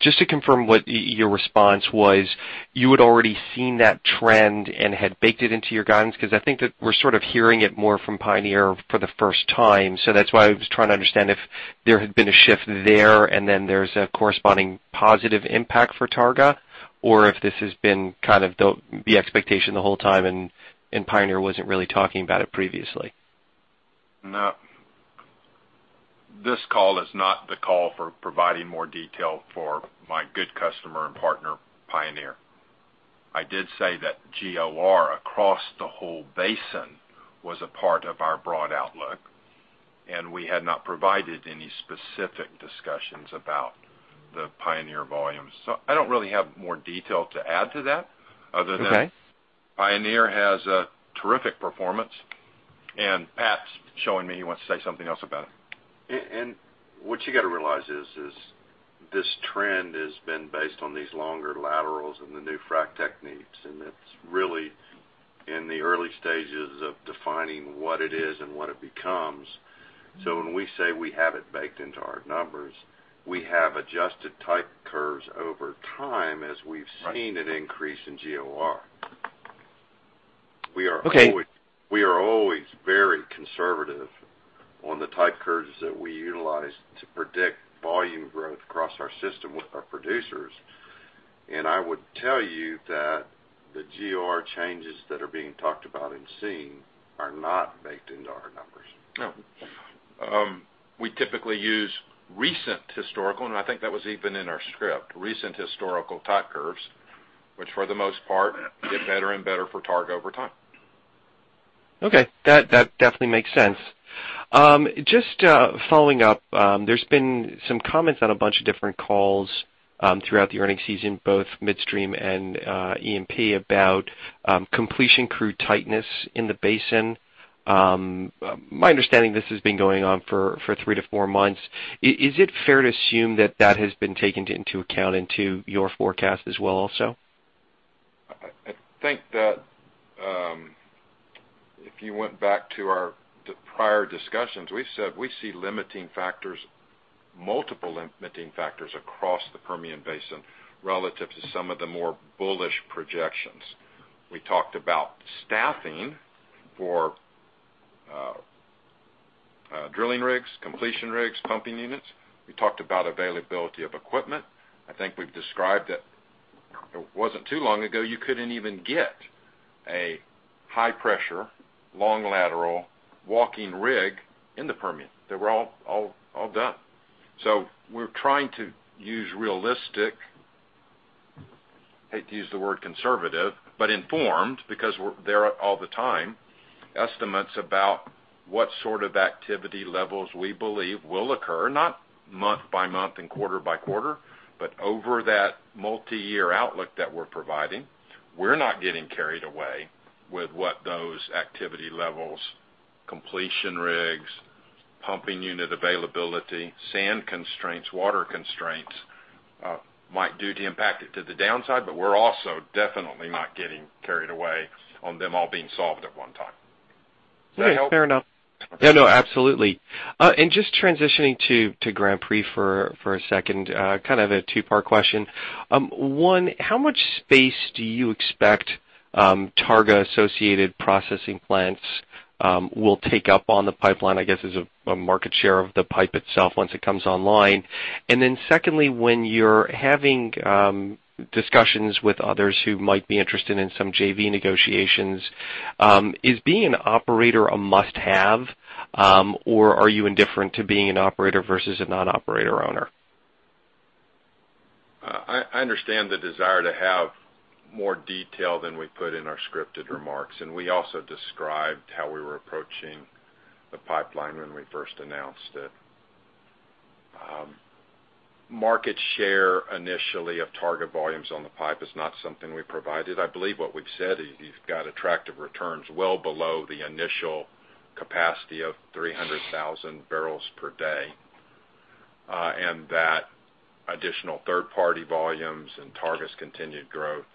Just to confirm what your response was, you had already seen that trend and had baked it into your guidance? I think that we're hearing it more from Pioneer for the first time. That's why I was trying to understand if there had been a shift there and then there's a corresponding positive impact for Targa, or if this has been the expectation the whole time and Pioneer wasn't really talking about it previously. No. This call is not the call for providing more detail for my good customer and partner, Pioneer. I did say that GOR across the whole basin was a part of our broad outlook, and we had not provided any specific discussions about the Pioneer volumes. I don't really have more detail to add to that other than. Okay Pioneer has a terrific performance. Pat's showing me he wants to say something else about it. What you got to realize is this trend has been based on these longer laterals and the new frack techniques, and it's really in the early stages of defining what it is and what it becomes. When we say we have it baked into our numbers, we have adjusted type curves over time as we've seen an increase in GOR. We are always very conservative on the type curves that we utilize to predict volume growth across our system with our producers. I would tell you that the GOR changes that are being talked about and seen are not baked into our numbers. No. We typically use recent historical, and I think that was even in our script. Recent historical type curves, which for the most part, get better and better for Targa over time. Okay. That definitely makes sense. Just following up, there's been some comments on a bunch of different calls throughout the earnings season, both midstream and E&P, about completion crew tightness in the basin. My understanding, this has been going on for three to four months. Is it fair to assume that that has been taken into account into your forecast as well also? I think that if you went back to our prior discussions, we've said we see limiting factors, multiple limiting factors across the Permian Basin relative to some of the more bullish projections. We talked about staffing for drilling rigs, completion rigs, pumping units. We talked about availability of equipment. I think we've described that it wasn't too long ago, you couldn't even get a high-pressure, long lateral walking rig in the Permian. They were all done. We're trying to use realistic, hate to use the word conservative, but informed because we're there all the time, estimates about what sort of activity levels we believe will occur, not month by month and quarter by quarter, but over that multi-year outlook that we're providing. We're not getting carried away with what those activity levels, completion rigs, pumping unit availability, sand constraints, water constraints might do to impact it to the downside. We're also definitely not getting carried away on them all being solved at one time. Does that help? Yeah, fair enough. No, absolutely. Just transitioning to Grand Prix for a second. Kind of a two-part question. One, how much space do you expect Targa-associated processing plants will take up on the pipeline, I guess, as a market share of the pipe itself once it comes online? Secondly, when you're having discussions with others who might be interested in some JV negotiations, is being an operator a must-have, or are you indifferent to being an operator versus a non-operator owner? I understand the desire to have more detail than we put in our scripted remarks. We also described how we were approaching the pipeline when we first announced it. Market share initially of Targa volumes on the pipe is not something we provided. I believe what we've said is you've got attractive returns well below the initial capacity of 300,000 barrels per day. That additional third-party volumes and Targa's continued growth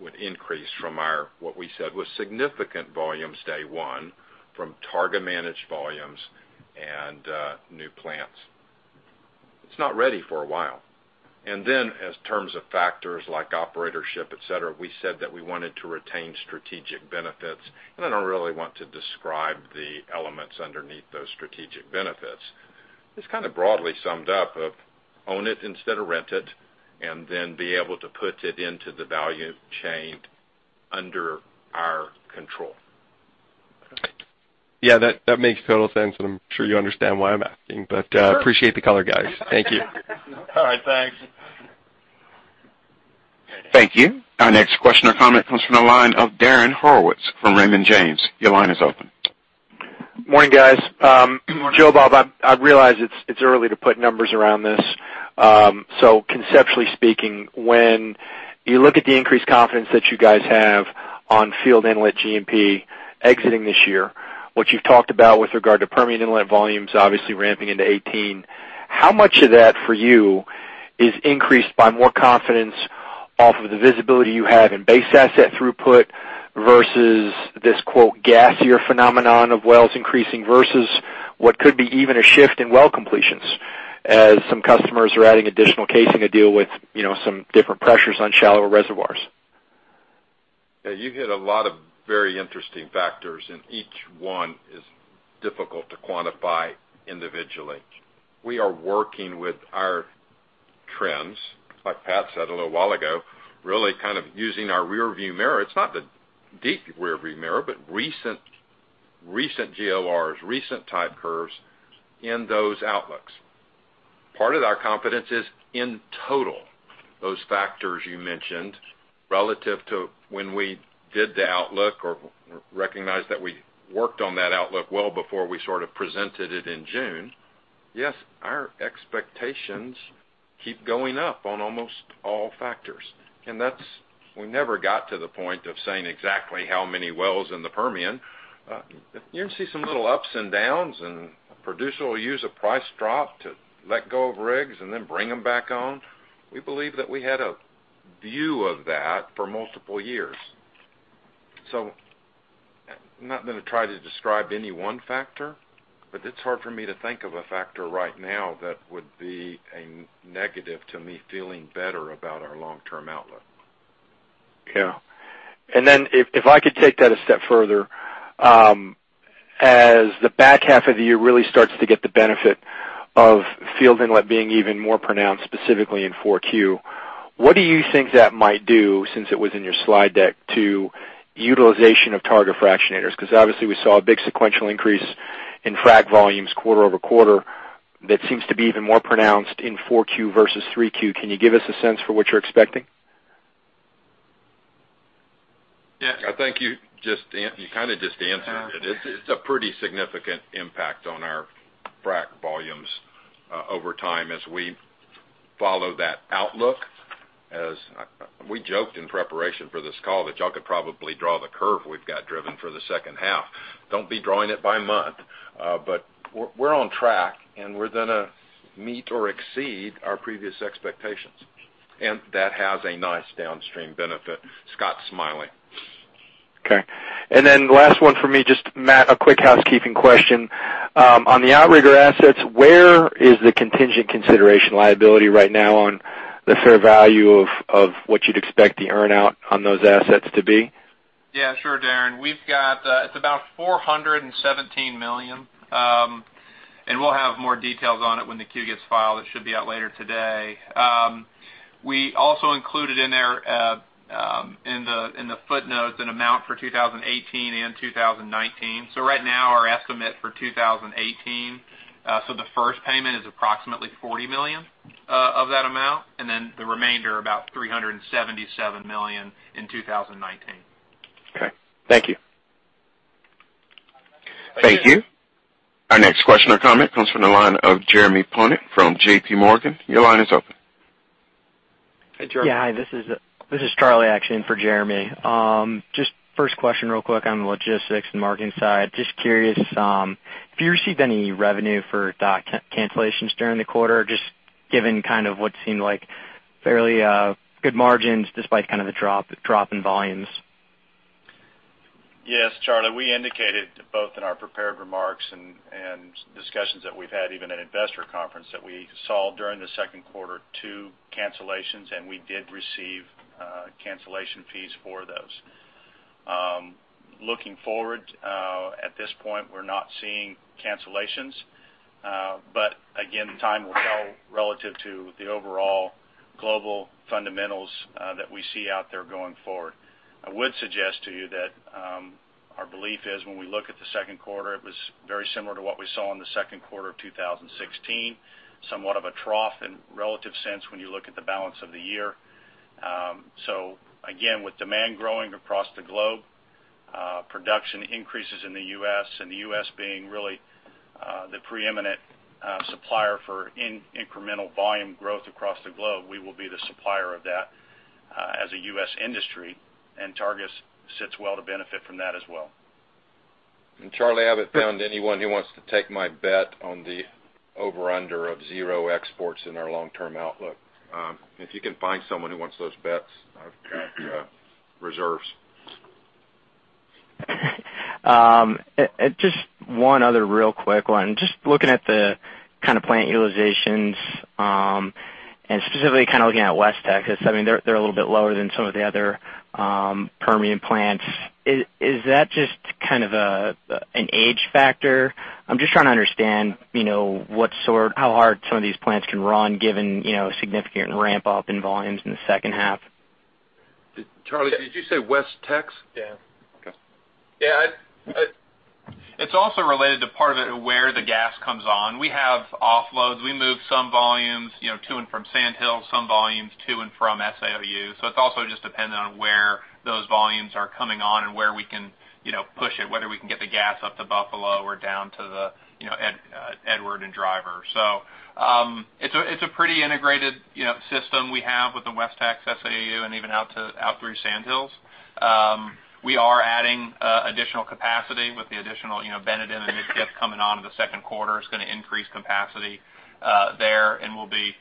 would increase from our, what we said, was significant volumes day one from Targa-managed volumes and new plants. It's not ready for a while. As terms of factors like operatorship, et cetera, we said that we wanted to retain strategic benefits. I don't really want to describe the elements underneath those strategic benefits. It's kind of broadly summed up of own it instead of rent it. Be able to put it into the value chain under our control. Yeah, that makes total sense, and I'm sure you understand why I'm asking. Sure. Appreciate the color, guys. Thank you. All right, thanks. Thank you. Our next question or comment comes from the line of Darren Horowitz from Raymond James. Your line is open. Morning, guys. Morning. Joe Bob, I realize it's early to put numbers around this. Conceptually speaking, when you look at the increased confidence that you guys have on field inlet G&P exiting this year, what you've talked about with regard to Permian inlet volumes obviously ramping into 2018, how much of that for you is increased by more confidence off of the visibility you have in base asset throughput versus this quote, gasier phenomenon of wells increasing, versus what could be even a shift in well completions as some customers are adding additional casing to deal with some different pressures on shallower reservoirs? You hit a lot of very interesting factors, Each one is difficult to quantify individually. We are working with our trends, like Pat said a little while ago, really kind of using our rearview mirror. It's not the deep rearview mirror, but recent GORs, recent type curves in those outlooks. Part of our confidence is in total, those factors you mentioned relative to when we did the outlook or recognized that we worked on that outlook well before we sort of presented it in June. Yes, our expectations keep going up on almost all factors. We never got to the point of saying exactly how many wells in the Permian. You're going to see some little ups and downs, and a producer will use a price drop to let go of rigs and then bring them back on. We believe that we had a view of that for multiple years. I'm not going to try to describe any one factor, It's hard for me to think of a factor right now that would be a negative to me feeling better about our long-term outlook. Yeah. If I could take that a step further, as the back half of the year really starts to get the benefit of field inlet being even more pronounced specifically in 4Q, what do you think that might do, since it was in your slide deck, to utilization of Targa fractionators? Because obviously we saw a big sequential increase in frack volumes quarter-over-quarter that seems to be even more pronounced in 4Q versus 3Q. Can you give us a sense for what you're expecting? Yeah, I think you kind of just answered it. It's a pretty significant impact on our frack volumes over time as we follow that outlook. As we joked in preparation for this call, that y'all could probably draw the curve we've got driven for the second half. Don't be drawing it by month. We're on track, and we're going to meet or exceed our previous expectations. That has a nice downstream benefit. Scott's smiling. Okay. Last one for me, just Matt, a quick housekeeping question. On the Outrigger assets, where is the contingent consideration liability right now on the fair value of what you'd expect the earn-out on those assets to be? Yeah, sure, Darren. It's about $417 million. We'll have more details on it when the Q gets filed. It should be out later today. We also included in there, in the footnotes, an amount for 2018 and 2019. Right now, our estimate for 2018, so the first payment is approximately $40 million of that amount, and then the remainder, about $377 million in 2019. Okay. Thank you. Thank you. Our next question or comment comes from the line of Jeremy Tonet from J.P. Morgan. Your line is open. Hey, Jeremy. Yeah, hi. This is Charlie actually in for Jeremy. Just first question real quick on the Logistics and Marketing side. Just curious if you received any revenue for dock cancellations during the quarter, just given what seemed like fairly good margins despite the drop in volumes? Yes, Charlie. We indicated both in our prepared remarks and discussions that we've had even at investor conference, that we saw during the second quarter two cancellations, and we did receive cancellation fees for those. Looking forward, at this point, we're not seeing cancellations. Again, time will tell relative to the overall global fundamentals that we see out there going forward. I would suggest to you that our belief is when we look at the second quarter, it was very similar to what we saw in the second quarter of 2016, somewhat of a trough in relative sense when you look at the balance of the year. Again, with demand growing across the globe, production increases in the U.S. and the U.S. being really the preeminent supplier for incremental volume growth across the globe, we will be the supplier of that as a U.S. industry, and Targa sits well to benefit from that as well. Charlie, I haven't found anyone who wants to take my bet on the over-under of zero exports in our long-term outlook. If you can find someone who wants those bets, I've got reserves. Just one other real quick one. Just looking at the kind of plant utilizations, and specifically kind of looking at West Texas, they're a little bit lower than some of the other Permian plants. Is that just kind of an age factor? I'm just trying to understand how hard some of these plants can run given significant ramp up in volumes in the second half. Charlie, did you say WestTX? Yeah. Okay. Yeah. It's also related to part of it where the gas comes on. We have offloads. We move some volumes to and from Sand Hills, some volumes to and from SAOU. It's also just dependent on where those volumes are coming on and where we can push it, whether we can get the gas up to Buffalo or down to the Edward and Driver. It's a pretty integrated system we have with the WestTX SAOU and even out through Sand Hills. We are adding additional capacity with the additional Benedum and Midkiff coming on in the second quarter. It's going to increase capacity there. We'll be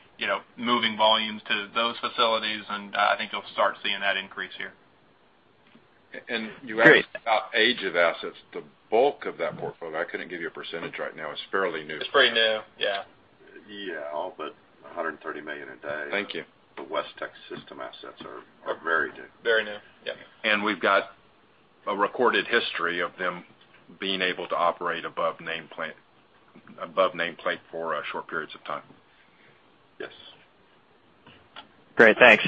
moving volumes to those facilities. I think you'll start seeing that increase here. You asked about age of assets, the bulk of that portfolio, I couldn't give you a percentage right now. It's fairly new. It's pretty new. Yeah. Yeah. All but $130 million a day. Thank you. The WestTX system assets are very new. Very new. Yeah. We've got a recorded history of them being able to operate above nameplate for short periods of time. Yes. Great. Thanks.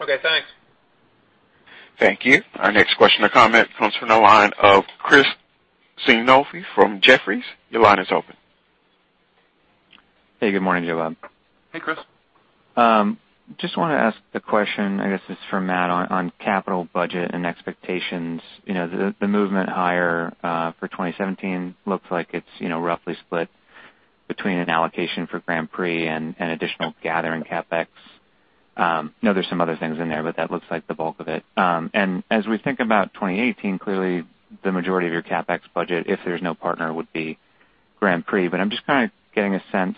Okay, thanks. Thank you. Our next question or comment comes from the line of Chris Sighinolfi from Jefferies. Your line is open. Hey, good morning to you all. Hey, Chris. Just want to ask a question, I guess it's for Matt, on capital budget and expectations. The movement higher for 2017 looks like it's roughly split between an allocation for Grand Prix and additional gathering CapEx. Know there's some other things in there, but that looks like the bulk of it. As we think about 2018, clearly the majority of your CapEx budget, if there's no partner, would be Grand Prix. I'm just kind of getting a sense,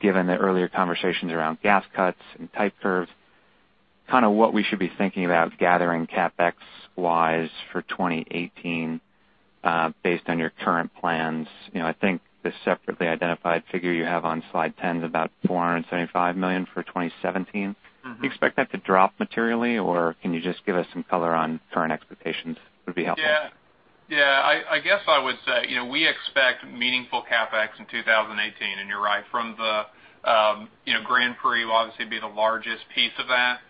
given the earlier conversations around gas cuts and type curves, kind of what we should be thinking about gathering CapEx-wise for 2018, based on your current plans. I think the separately identified figure you have on slide 10 is about $475 million for 2017. Do you expect that to drop materially, or can you just give us some color on current expectations, would be helpful. Yeah. I guess I would say, we expect meaningful CapEx in 2018, and you're right from the Grand Prix will obviously be the largest piece of that.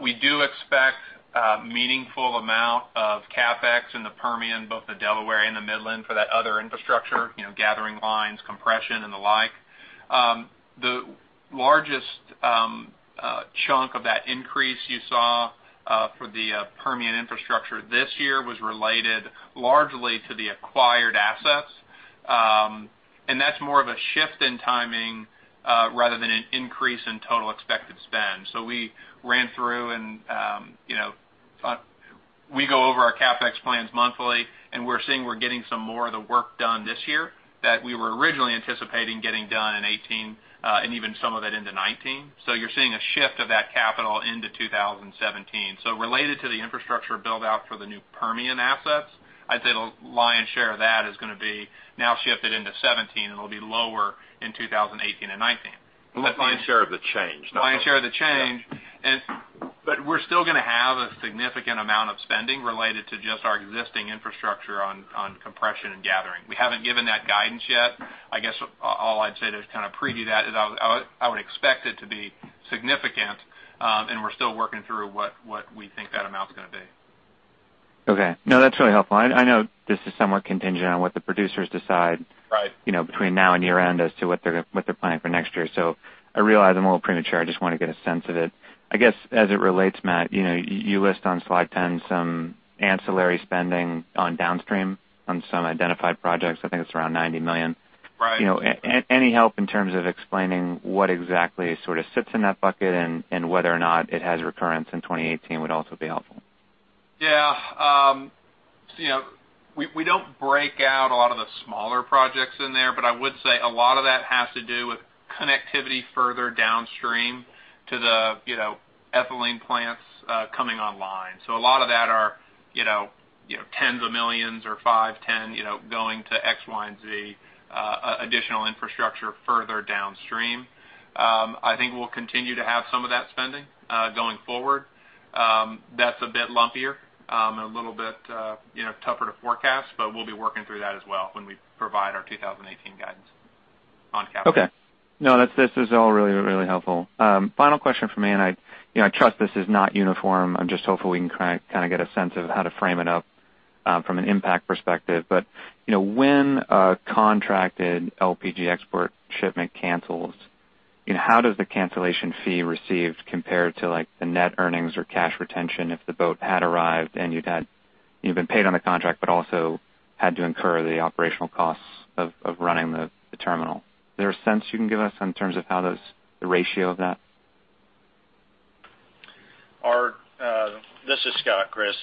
We do expect a meaningful amount of CapEx in the Permian, both the Delaware and the Midland for that other infrastructure, gathering lines, compression, and the like. The largest chunk of that increase you saw for the Permian infrastructure this year was related largely to the acquired assets. That's more of a shift in timing, rather than an increase in total expected spend. We ran through and we go over our CapEx plans monthly, and we're seeing we're getting some more of the work done this year that we were originally anticipating getting done in 2018, and even some of it into 2019. You're seeing a shift of that capital into 2017. Related to the infrastructure build-out for the new Permian assets, I'd say the lion's share of that is going to be now shifted into 2017, and it'll be lower in 2018 and 2019. The lion's share of the change. Lion's share of the change. We're still going to have a significant amount of spending related to just our existing infrastructure on compression and gathering. We haven't given that guidance yet. I guess all I'd say to kind of preview that is I would expect it to be significant, and we're still working through what we think that amount's going to be. Okay. That's really helpful. I know this is somewhat contingent on what the producers decide- Right between now and year-end as to what they're planning for next year. I realize I'm a little premature. I just want to get a sense of it. I guess, as it relates, Matt, you list on slide 10 some ancillary spending on downstream on some identified projects. I think it's around $90 million. Right. Any help in terms of explaining what exactly sort of sits in that bucket and whether or not it has recurrence in 2018 would also be helpful. Yeah. We don't break out a lot of the smaller projects in there, but I would say a lot of that has to do with connectivity further downstream to the ethylene plants coming online. A lot of that are tens of millions or five, 10, going to X, Y, and Z, additional infrastructure further downstream. I think we'll continue to have some of that spending, going forward. That's a bit lumpier, and a little bit tougher to forecast, but we'll be working through that as well when we provide our 2018 guidance on CapEx. Okay. No, this is all really helpful. I trust this is not uniform. I'm just hopeful we can kind of get a sense of how to frame it up from an impact perspective. When a contracted LPG export shipment cancels, how does the cancellation fee received compare to the net earnings or cash retention if the boat had arrived and you'd been paid on the contract, but also had to incur the operational costs of running the terminal? Is there a sense you can give us in terms of how the ratio of that? This is Scott, Chris.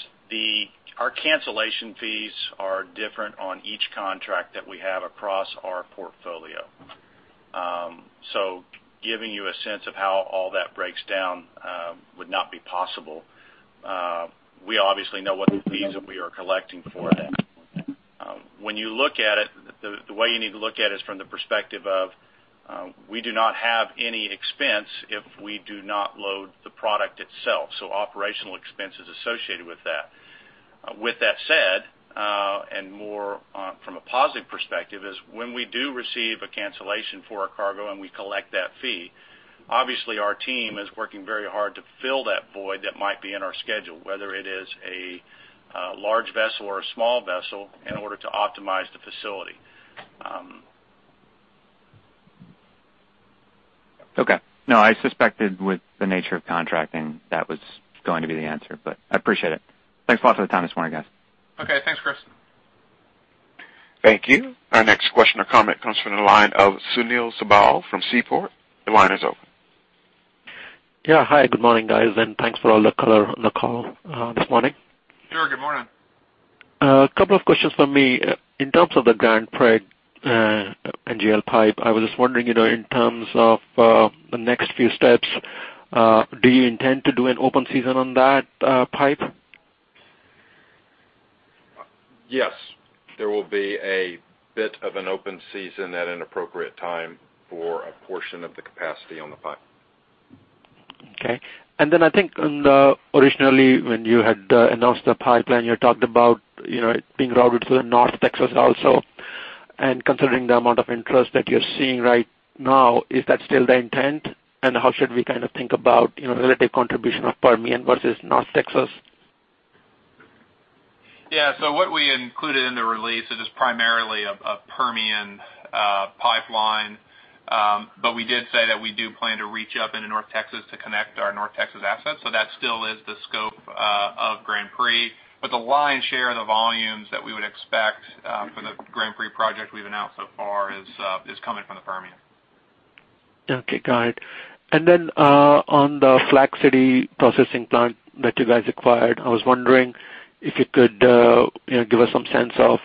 Our cancellation fees are different on each contract that we have across our portfolio. Giving you a sense of how all that breaks down would not be possible. We obviously know what the fees that we are collecting for that. When you look at it, the way you need to look at it is from the perspective of, we do not have any expense if we do not load the product itself, so operational expenses associated with that. With that said, more from a positive perspective, is when we do receive a cancellation for a cargo and we collect that fee, obviously our team is working very hard to fill that void that might be in our schedule, whether it is a large vessel or a small vessel, in order to optimize the facility. Okay. No, I suspected with the nature of contracting that was going to be the answer. I appreciate it. Thanks a lot for the time this morning, guys. Okay. Thanks, Chris. Thank you. Our next question or comment comes from the line of Sunil Sibal from Seaport Global. Your line is open. Yeah. Hi. Good morning, guys, and thanks for all the color on the call this morning. Sure. Good morning. A couple of questions from me. In terms of the Grand Prix NGL pipe, I was just wondering, in terms of the next few steps, do you intend to do an open season on that pipe? Yes. There will be a bit of an open season at an appropriate time for a portion of the capacity on the pipe. Okay. I think originally, when you had announced the pipeline, you talked about it being routed to the North Texas also. Considering the amount of interest that you're seeing right now, is that still the intent? How should we think about relative contribution of Permian versus North Texas? Yeah. What we included in the release is just primarily a Permian pipeline. We did say that we do plan to reach up into North Texas to connect our North Texas assets. That still is the scope of Grand Prix. The lion's share of the volumes that we would expect for the Grand Prix project we've announced so far is coming from the Permian. Okay, got it. On the Flag City processing plant that you guys acquired, I was wondering if you could give us some sense of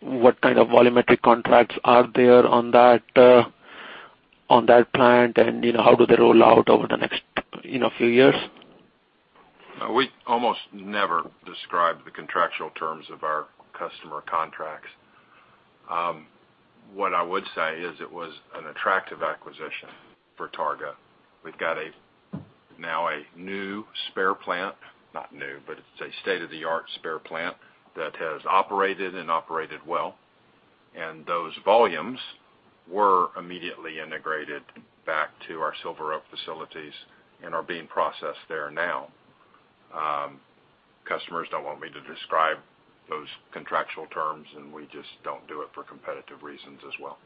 what kind of volumetric contracts are there on that plant, and how do they roll out over the next few years? We almost never describe the contractual terms of our customer contracts. What I would say is it was an attractive acquisition for Targa. We've got now a new spare plant, not new, but it's a state-of-the-art spare plant that has operated and operated well. Those volumes were immediately integrated back to our Silver Oak facilities and are being processed there now. Customers don't want me to describe those contractual terms, and we just don't do it for competitive reasons as well.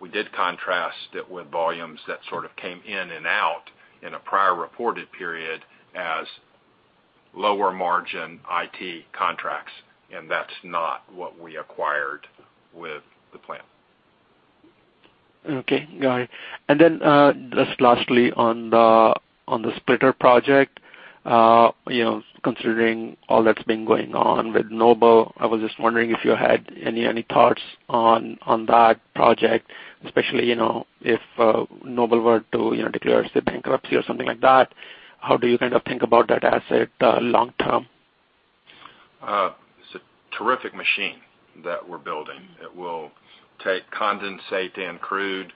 We did contrast it with volumes that sort of came in and out in a prior reported period as lower margin IT contracts, and that's not what we acquired with the plant. Okay, got it. Just lastly on the splitter project, considering all that's been going on with Noble, I was just wondering if you had any thoughts on that project, especially if Noble were to declare the bankruptcy or something like that. How do you kind of think about that asset long term? It's a terrific machine that we're building. It will take condensate and crude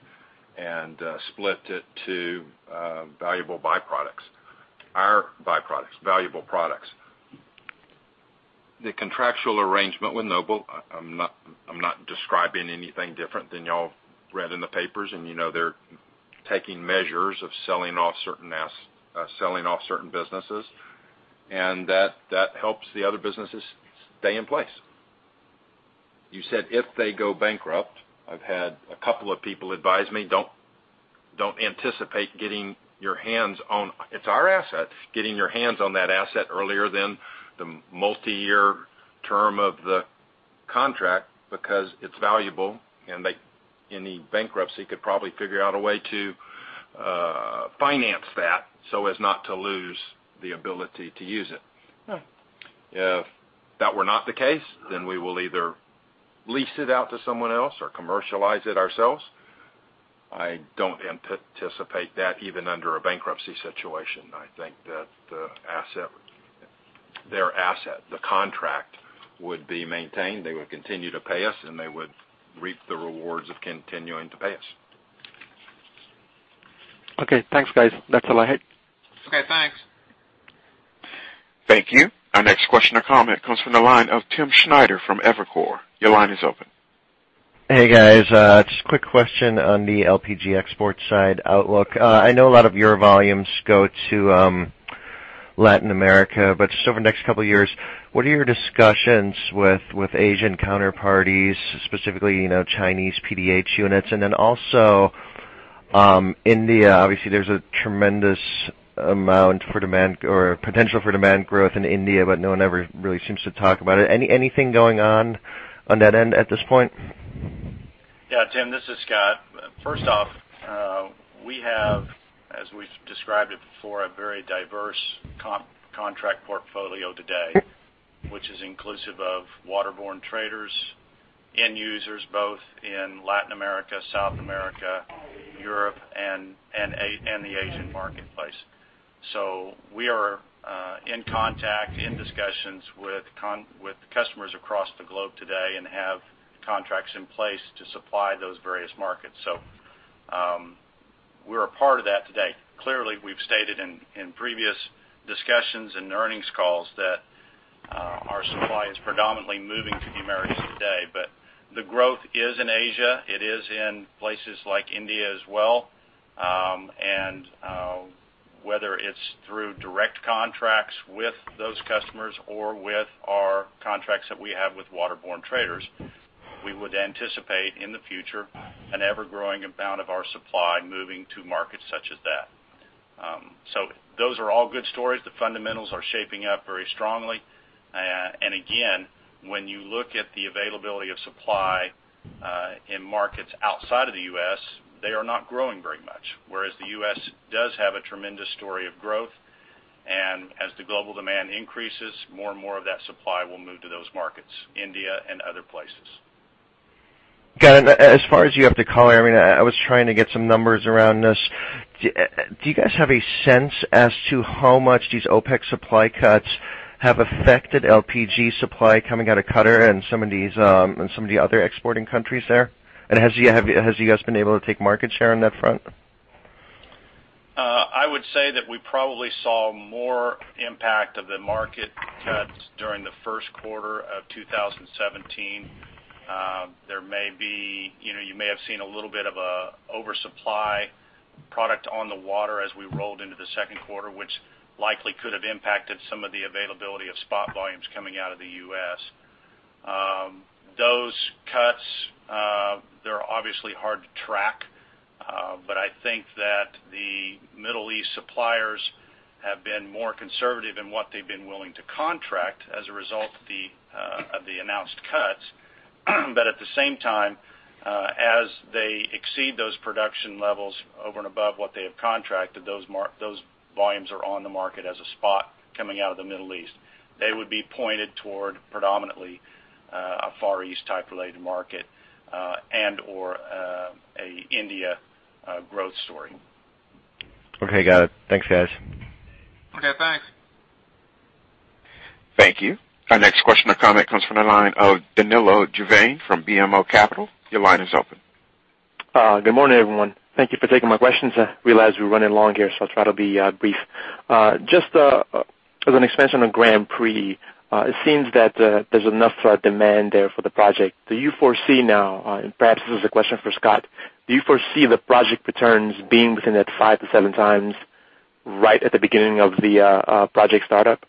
and split it to valuable byproducts. Our byproducts. Valuable products. The contractual arrangement with Noble, I'm not describing anything different than y'all read in the papers, and you know they're taking measures of selling off certain businesses, and that helps the other businesses stay in place. You said if they go bankrupt. I've had a couple of people advise me, don't anticipate it's our asset, getting your hands on that asset earlier than the multi-year term of the contract because it's valuable and any bankruptcy could probably figure out a way to finance that so as not to lose the ability to use it. If that were not the case, we will either lease it out to someone else or commercialize it ourselves. I don't anticipate that even under a bankruptcy situation. I think that their asset, the contract, would be maintained. They would continue to pay us, and they would reap the rewards of continuing to pay us. Okay, thanks guys. That's all I had. Okay, thanks. Thank you. Our next question or comment comes from the line of Tim Schneider from Evercore. Your line is open. Hey, guys. Just a quick question on the LPG export side outlook. I know a lot of your volumes go to Latin America, just over the next couple of years, what are your discussions with Asian counterparties, specifically Chinese PDH units? Also India, obviously, there's a tremendous amount for demand or potential for demand growth in India, no one ever really seems to talk about it. Anything going on that end at this point? Yeah, Tim, this is Scott. First off, we have, as we've described it before, a very diverse contract portfolio today, which is inclusive of waterborne traders, end users, both in Latin America, South America, Europe, and the Asian marketplace. We are in contact, in discussions with customers across the globe today and have contracts in place to supply those various markets. We're a part of that today. Clearly, we've stated in previous discussions and earnings calls that our supply is predominantly moving to the Americas today, but the growth is in Asia. It is in places like India as well. Whether it's through direct contracts with those customers or with our contracts that we have with waterborne traders, we would anticipate in the future, an ever-growing amount of our supply moving to markets such as that. Those are all good stories. The fundamentals are shaping up very strongly. Again, when you look at the availability of supply in markets outside of the U.S., they are not growing very much, whereas the U.S. does have a tremendous story of growth, and as the global demand increases, more and more of that supply will move to those markets, India and other places. Got it. As far as you have the call, I was trying to get some numbers around this. Do you guys have a sense as to how much these OPEC supply cuts have affected LPG supply coming out of Qatar and some of the other exporting countries there? Have you guys been able to take market share on that front? I would say that we probably saw more impact of the market cuts during the first quarter of 2017. You may have seen a little bit of a oversupply product on the water as we rolled into the second quarter, which likely could have impacted some of the availability of spot volumes coming out of the U.S. Those cuts, they're obviously hard to track. I think that the Middle East suppliers have been more conservative in what they've been willing to contract as a result of the announced cuts. At the same time, as they exceed those production levels over and above what they have contracted, those volumes are on the market as a spot coming out of the Middle East. They would be pointed toward predominantly, a Far East type related market, and/or a India growth story. Okay, got it. Thanks, guys. Okay, thanks. Thank you. Our next question or comment comes from the line of Danilo Juvane from BMO Capital. Your line is open. Good morning, everyone. Thank you for taking my questions. I realize we're running long here, so I'll try to be brief. Just as an expansion on Grand Prix. It seems that there's enough demand there for the project. Do you foresee now, and perhaps this is a question for Scott, do you foresee the project returns being within that five to seven times right at the beginning of the project startup?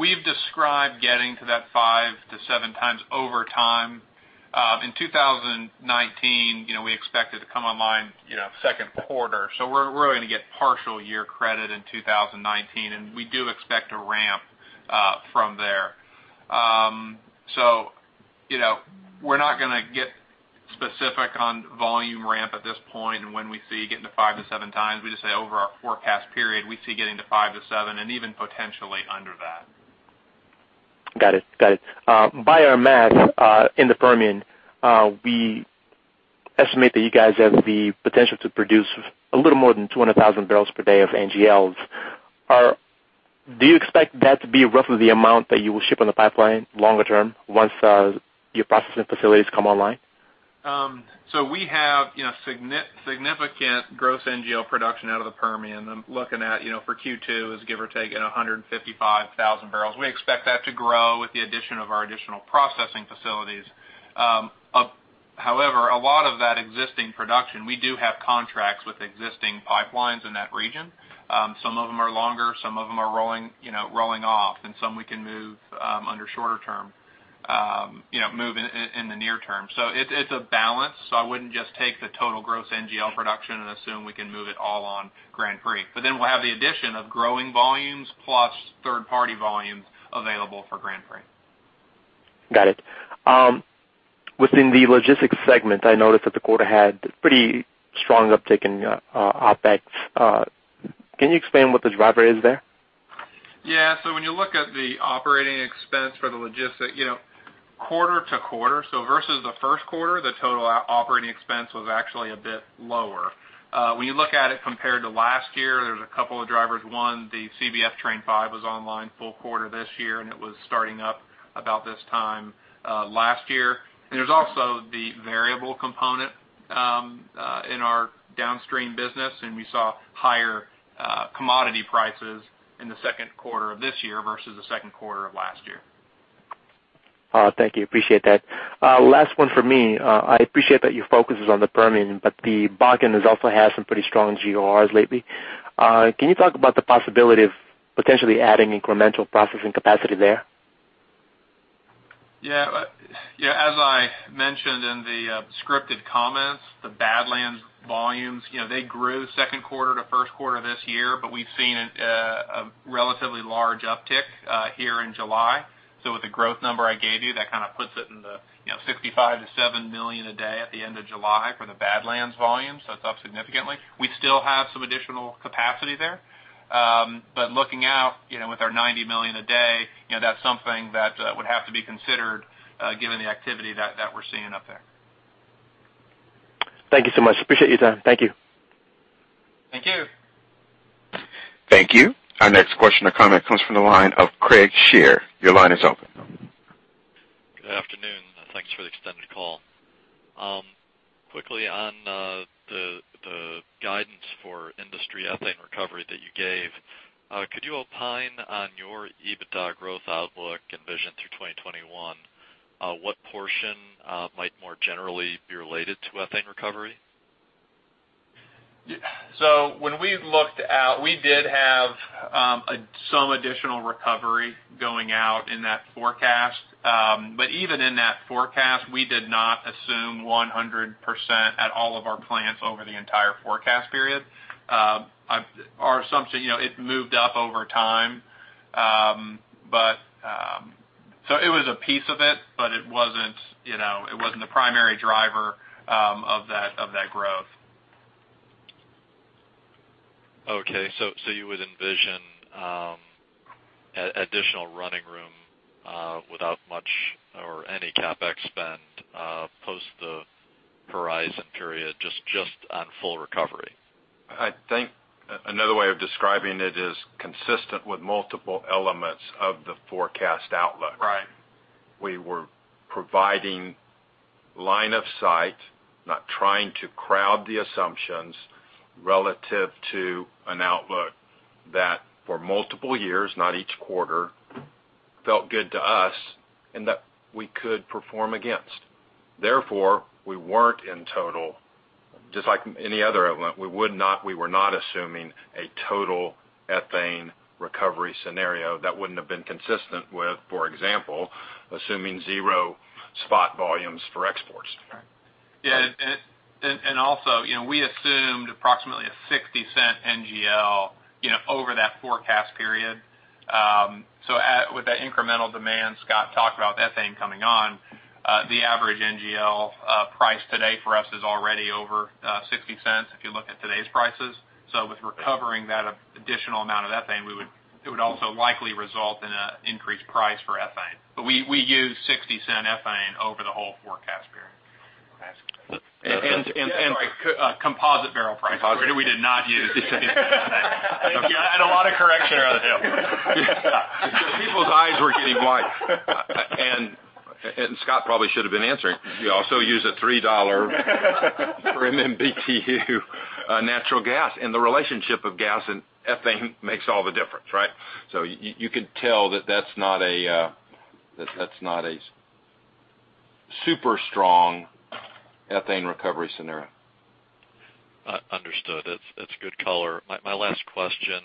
We've described getting to that five to seven times over time. In 2019, we expected to come online second quarter. We're going to get partial year credit in 2019, and we do expect to ramp from there. We're not going to get specific on volume ramp at this point, and when we see getting to five to seven times. We just say over our forecast period, we see getting to five to seven and even potentially under that. Got it. By our math, in the Permian, we estimate that you guys have the potential to produce a little more than 200,000 barrels per day of NGLs. Do you expect that to be roughly the amount that you will ship on the pipeline longer term once your processing facilities come online? We have significant gross NGL production out of the Permian. I'm looking at for Q2, is give or take, at 155,000 barrels. We expect that to grow with the addition of our additional processing facilities. However, a lot of that existing production, we do have contracts with existing pipelines in that region. Some of them are longer, some of them are rolling off, and some we can move under shorter term. We can move in the near term. It's a balance. I wouldn't just take the total gross NGL production and assume we can move it all on Grand Prix. We'll have the addition of growing volumes plus third-party volumes available for Grand Prix. Got it. Within the Logistics segment, I noticed that the quarter had pretty strong uptick in OpEx. Can you explain what the driver is there? Yeah. When you look at the operating expense for the Logistics, quarter-over-quarter, versus the first quarter, the total operating expense was actually a bit lower. When you look at it compared to last year, there's a couple of drivers. One, the CBF Train 5 was online full quarter this year, and it was starting up about this time last year. There's also the variable component in our downstream business, and we saw higher commodity prices in the second quarter of this year versus the second quarter of last year. Thank you. Appreciate that. Last one for me. I appreciate that your focus is on the Permian, the Bakken has also had some pretty strong GORs lately. Can you talk about the possibility of potentially adding incremental processing capacity there? Yeah. As I mentioned in the scripted comments, the Badlands volumes, they grew second quarter to first quarter this year, we've seen a relatively large uptick here in July. With the growth number I gave you, that kind of puts it into 65 to 7 million a day at the end of July for the Badlands volume. It's up significantly. We still have some additional capacity there. Looking out with our 90 million a day, that's something that would have to be considered, given the activity that we're seeing up there. Thank you so much. Appreciate your time. Thank you. Thank you. Thank you. Our next question or comment comes from the line of Craig Shere. Your line is open. Good afternoon. Thanks for the extended call. Quickly on the guidance for industry ethane recovery that you gave, could you opine on your EBITDA growth outlook and vision through 2021? What portion might more generally be related to ethane recovery? When we looked out, we did have some additional recovery going out in that forecast. Even in that forecast, we did not assume 100% at all of our plants over the entire forecast period. Our assumption moved up over time. It was a piece of it, but it wasn't the primary driver of that growth. You would envision additional running room without much or any CapEx spend post the horizon period, just on full recovery. I think another way of describing it is consistent with multiple elements of the forecast outlook. Right. We were providing line of sight, not trying to crowd the assumptions relative to an outlook that for multiple years, not each quarter, felt good to us and that we could perform against. Therefore, we weren't in total, just like any other element, we were not assuming a total ethane recovery scenario. That wouldn't have been consistent with, for example, assuming zero spot volumes for exports. Yeah, we assumed approximately a $0.60 NGL over that forecast period. With that incremental demand Scott talked about, ethane coming on, the average NGL price today for us is already over $0.60 if you look at today's prices. With recovering that additional amount of ethane, it would also likely result in an increased price for ethane. We use $0.60 ethane over the whole forecast period. Sorry, composite barrel price. We did not use I had a lot of correction earlier. People's eyes were getting wide, Scott probably should have been answering. We also use a $3/MMBtu natural gas, the relationship of gas and ethane makes all the difference, right? You could tell that that's not a super strong ethane recovery scenario. Understood. That's good color. My last question,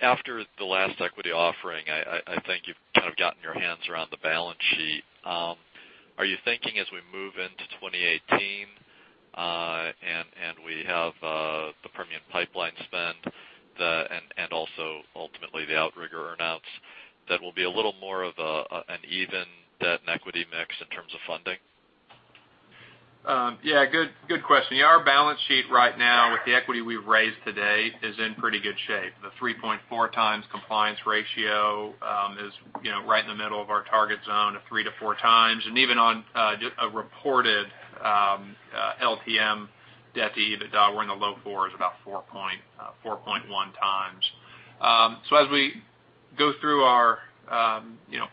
after the last equity offering, I think you've kind of gotten your hands around the balance sheet. Are you thinking as we move into 2018, we have the Grand Prix Pipeline spend, ultimately the Outrigger Energy earn-outs, that will be a little more of an even debt and equity mix in terms of funding? Yeah, good question. Our balance sheet right now with the equity we've raised to date is in pretty good shape. The 3.4x compliance ratio is right in the middle of our target zone of 3x-4x. Even on a reported LTM debt-to-EBITDA, we're in the low 4s, about 4.1x. As we go through our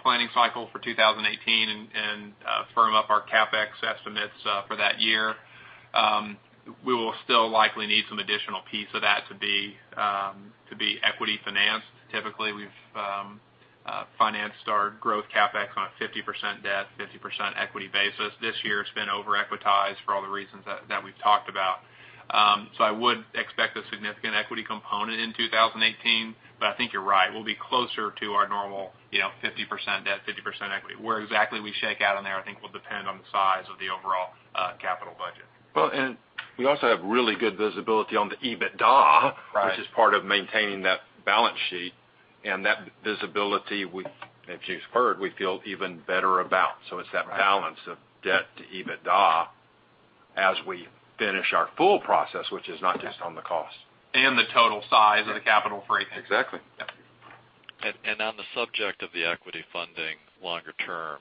planning cycle for 2018 and firm up our CapEx estimates for that year, we will still likely need some additional piece of that to be equity financed. Typically, we've financed our growth CapEx on a 50% debt, 50% equity basis. This year it's been over-equitized for all the reasons that we've talked about. I would expect a significant equity component in 2018. I think you're right. We'll be closer to our normal 50% debt, 50% equity. Where exactly we shake out on there, I think will depend on the size of the overall capital budget. Well, we also have really good visibility on the EBITDA. Right. Which is part of maintaining that balance sheet, and that visibility we, as you've heard, we feel even better about. It's that balance of debt to EBITDA as we finish our full process, which is not just on the cost. The total size of the capital frame. Exactly. Yeah. On the subject of the equity funding longer term,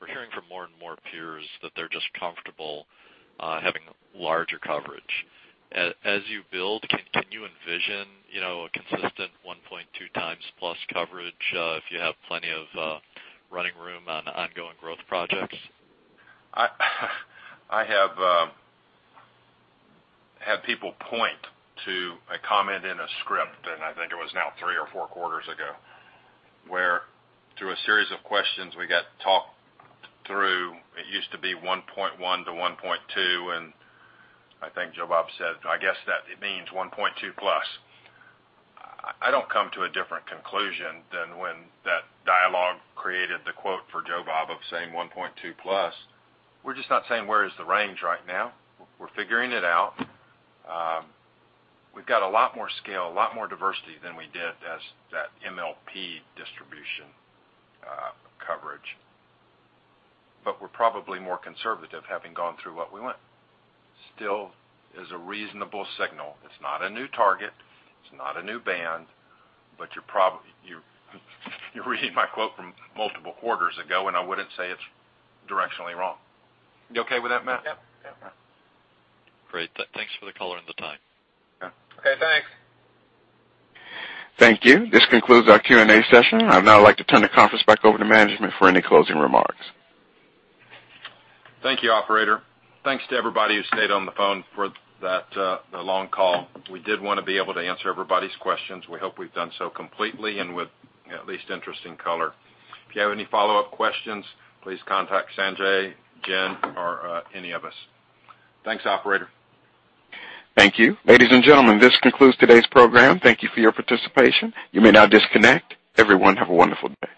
we're hearing from more and more peers that they're just comfortable having larger coverage. As you build, can you envision a consistent 1.2 times plus coverage if you have plenty of running room on ongoing growth projects? I have had people point to a comment in a script, and I think it was now three or four quarters ago, where through a series of questions we got talked through, it used to be 1.1 to 1.2, and I think Joe Bob said, "I guess that means 1.2 plus." I don't come to a different conclusion than when that dialogue created the quote for Joe Bob of saying 1.2 plus. We're just not saying where is the range right now. We're figuring it out. We've got a lot more scale, a lot more diversity than we did as that MLP distribution coverage. We're probably more conservative having gone through what we went. Still is a reasonable signal. It's not a new target, it's not a new band, but you're reading my quote from multiple quarters ago, and I wouldn't say it's directionally wrong. You okay with that, Matt? Yep. Great. Thanks for the color and the time. Okay, thanks. Thank you. This concludes our Q&A session. I'd now like to turn the conference back over to management for any closing remarks. Thank you, operator. Thanks to everybody who stayed on the phone for the long call. We did want to be able to answer everybody's questions. We hope we've done so completely and with at least interesting color. If you have any follow-up questions, please contact Sanjay, Jen, or any of us. Thanks, operator. Thank you. Ladies and gentlemen, this concludes today's program. Thank you for your participation. You may now disconnect. Everyone, have a wonderful day.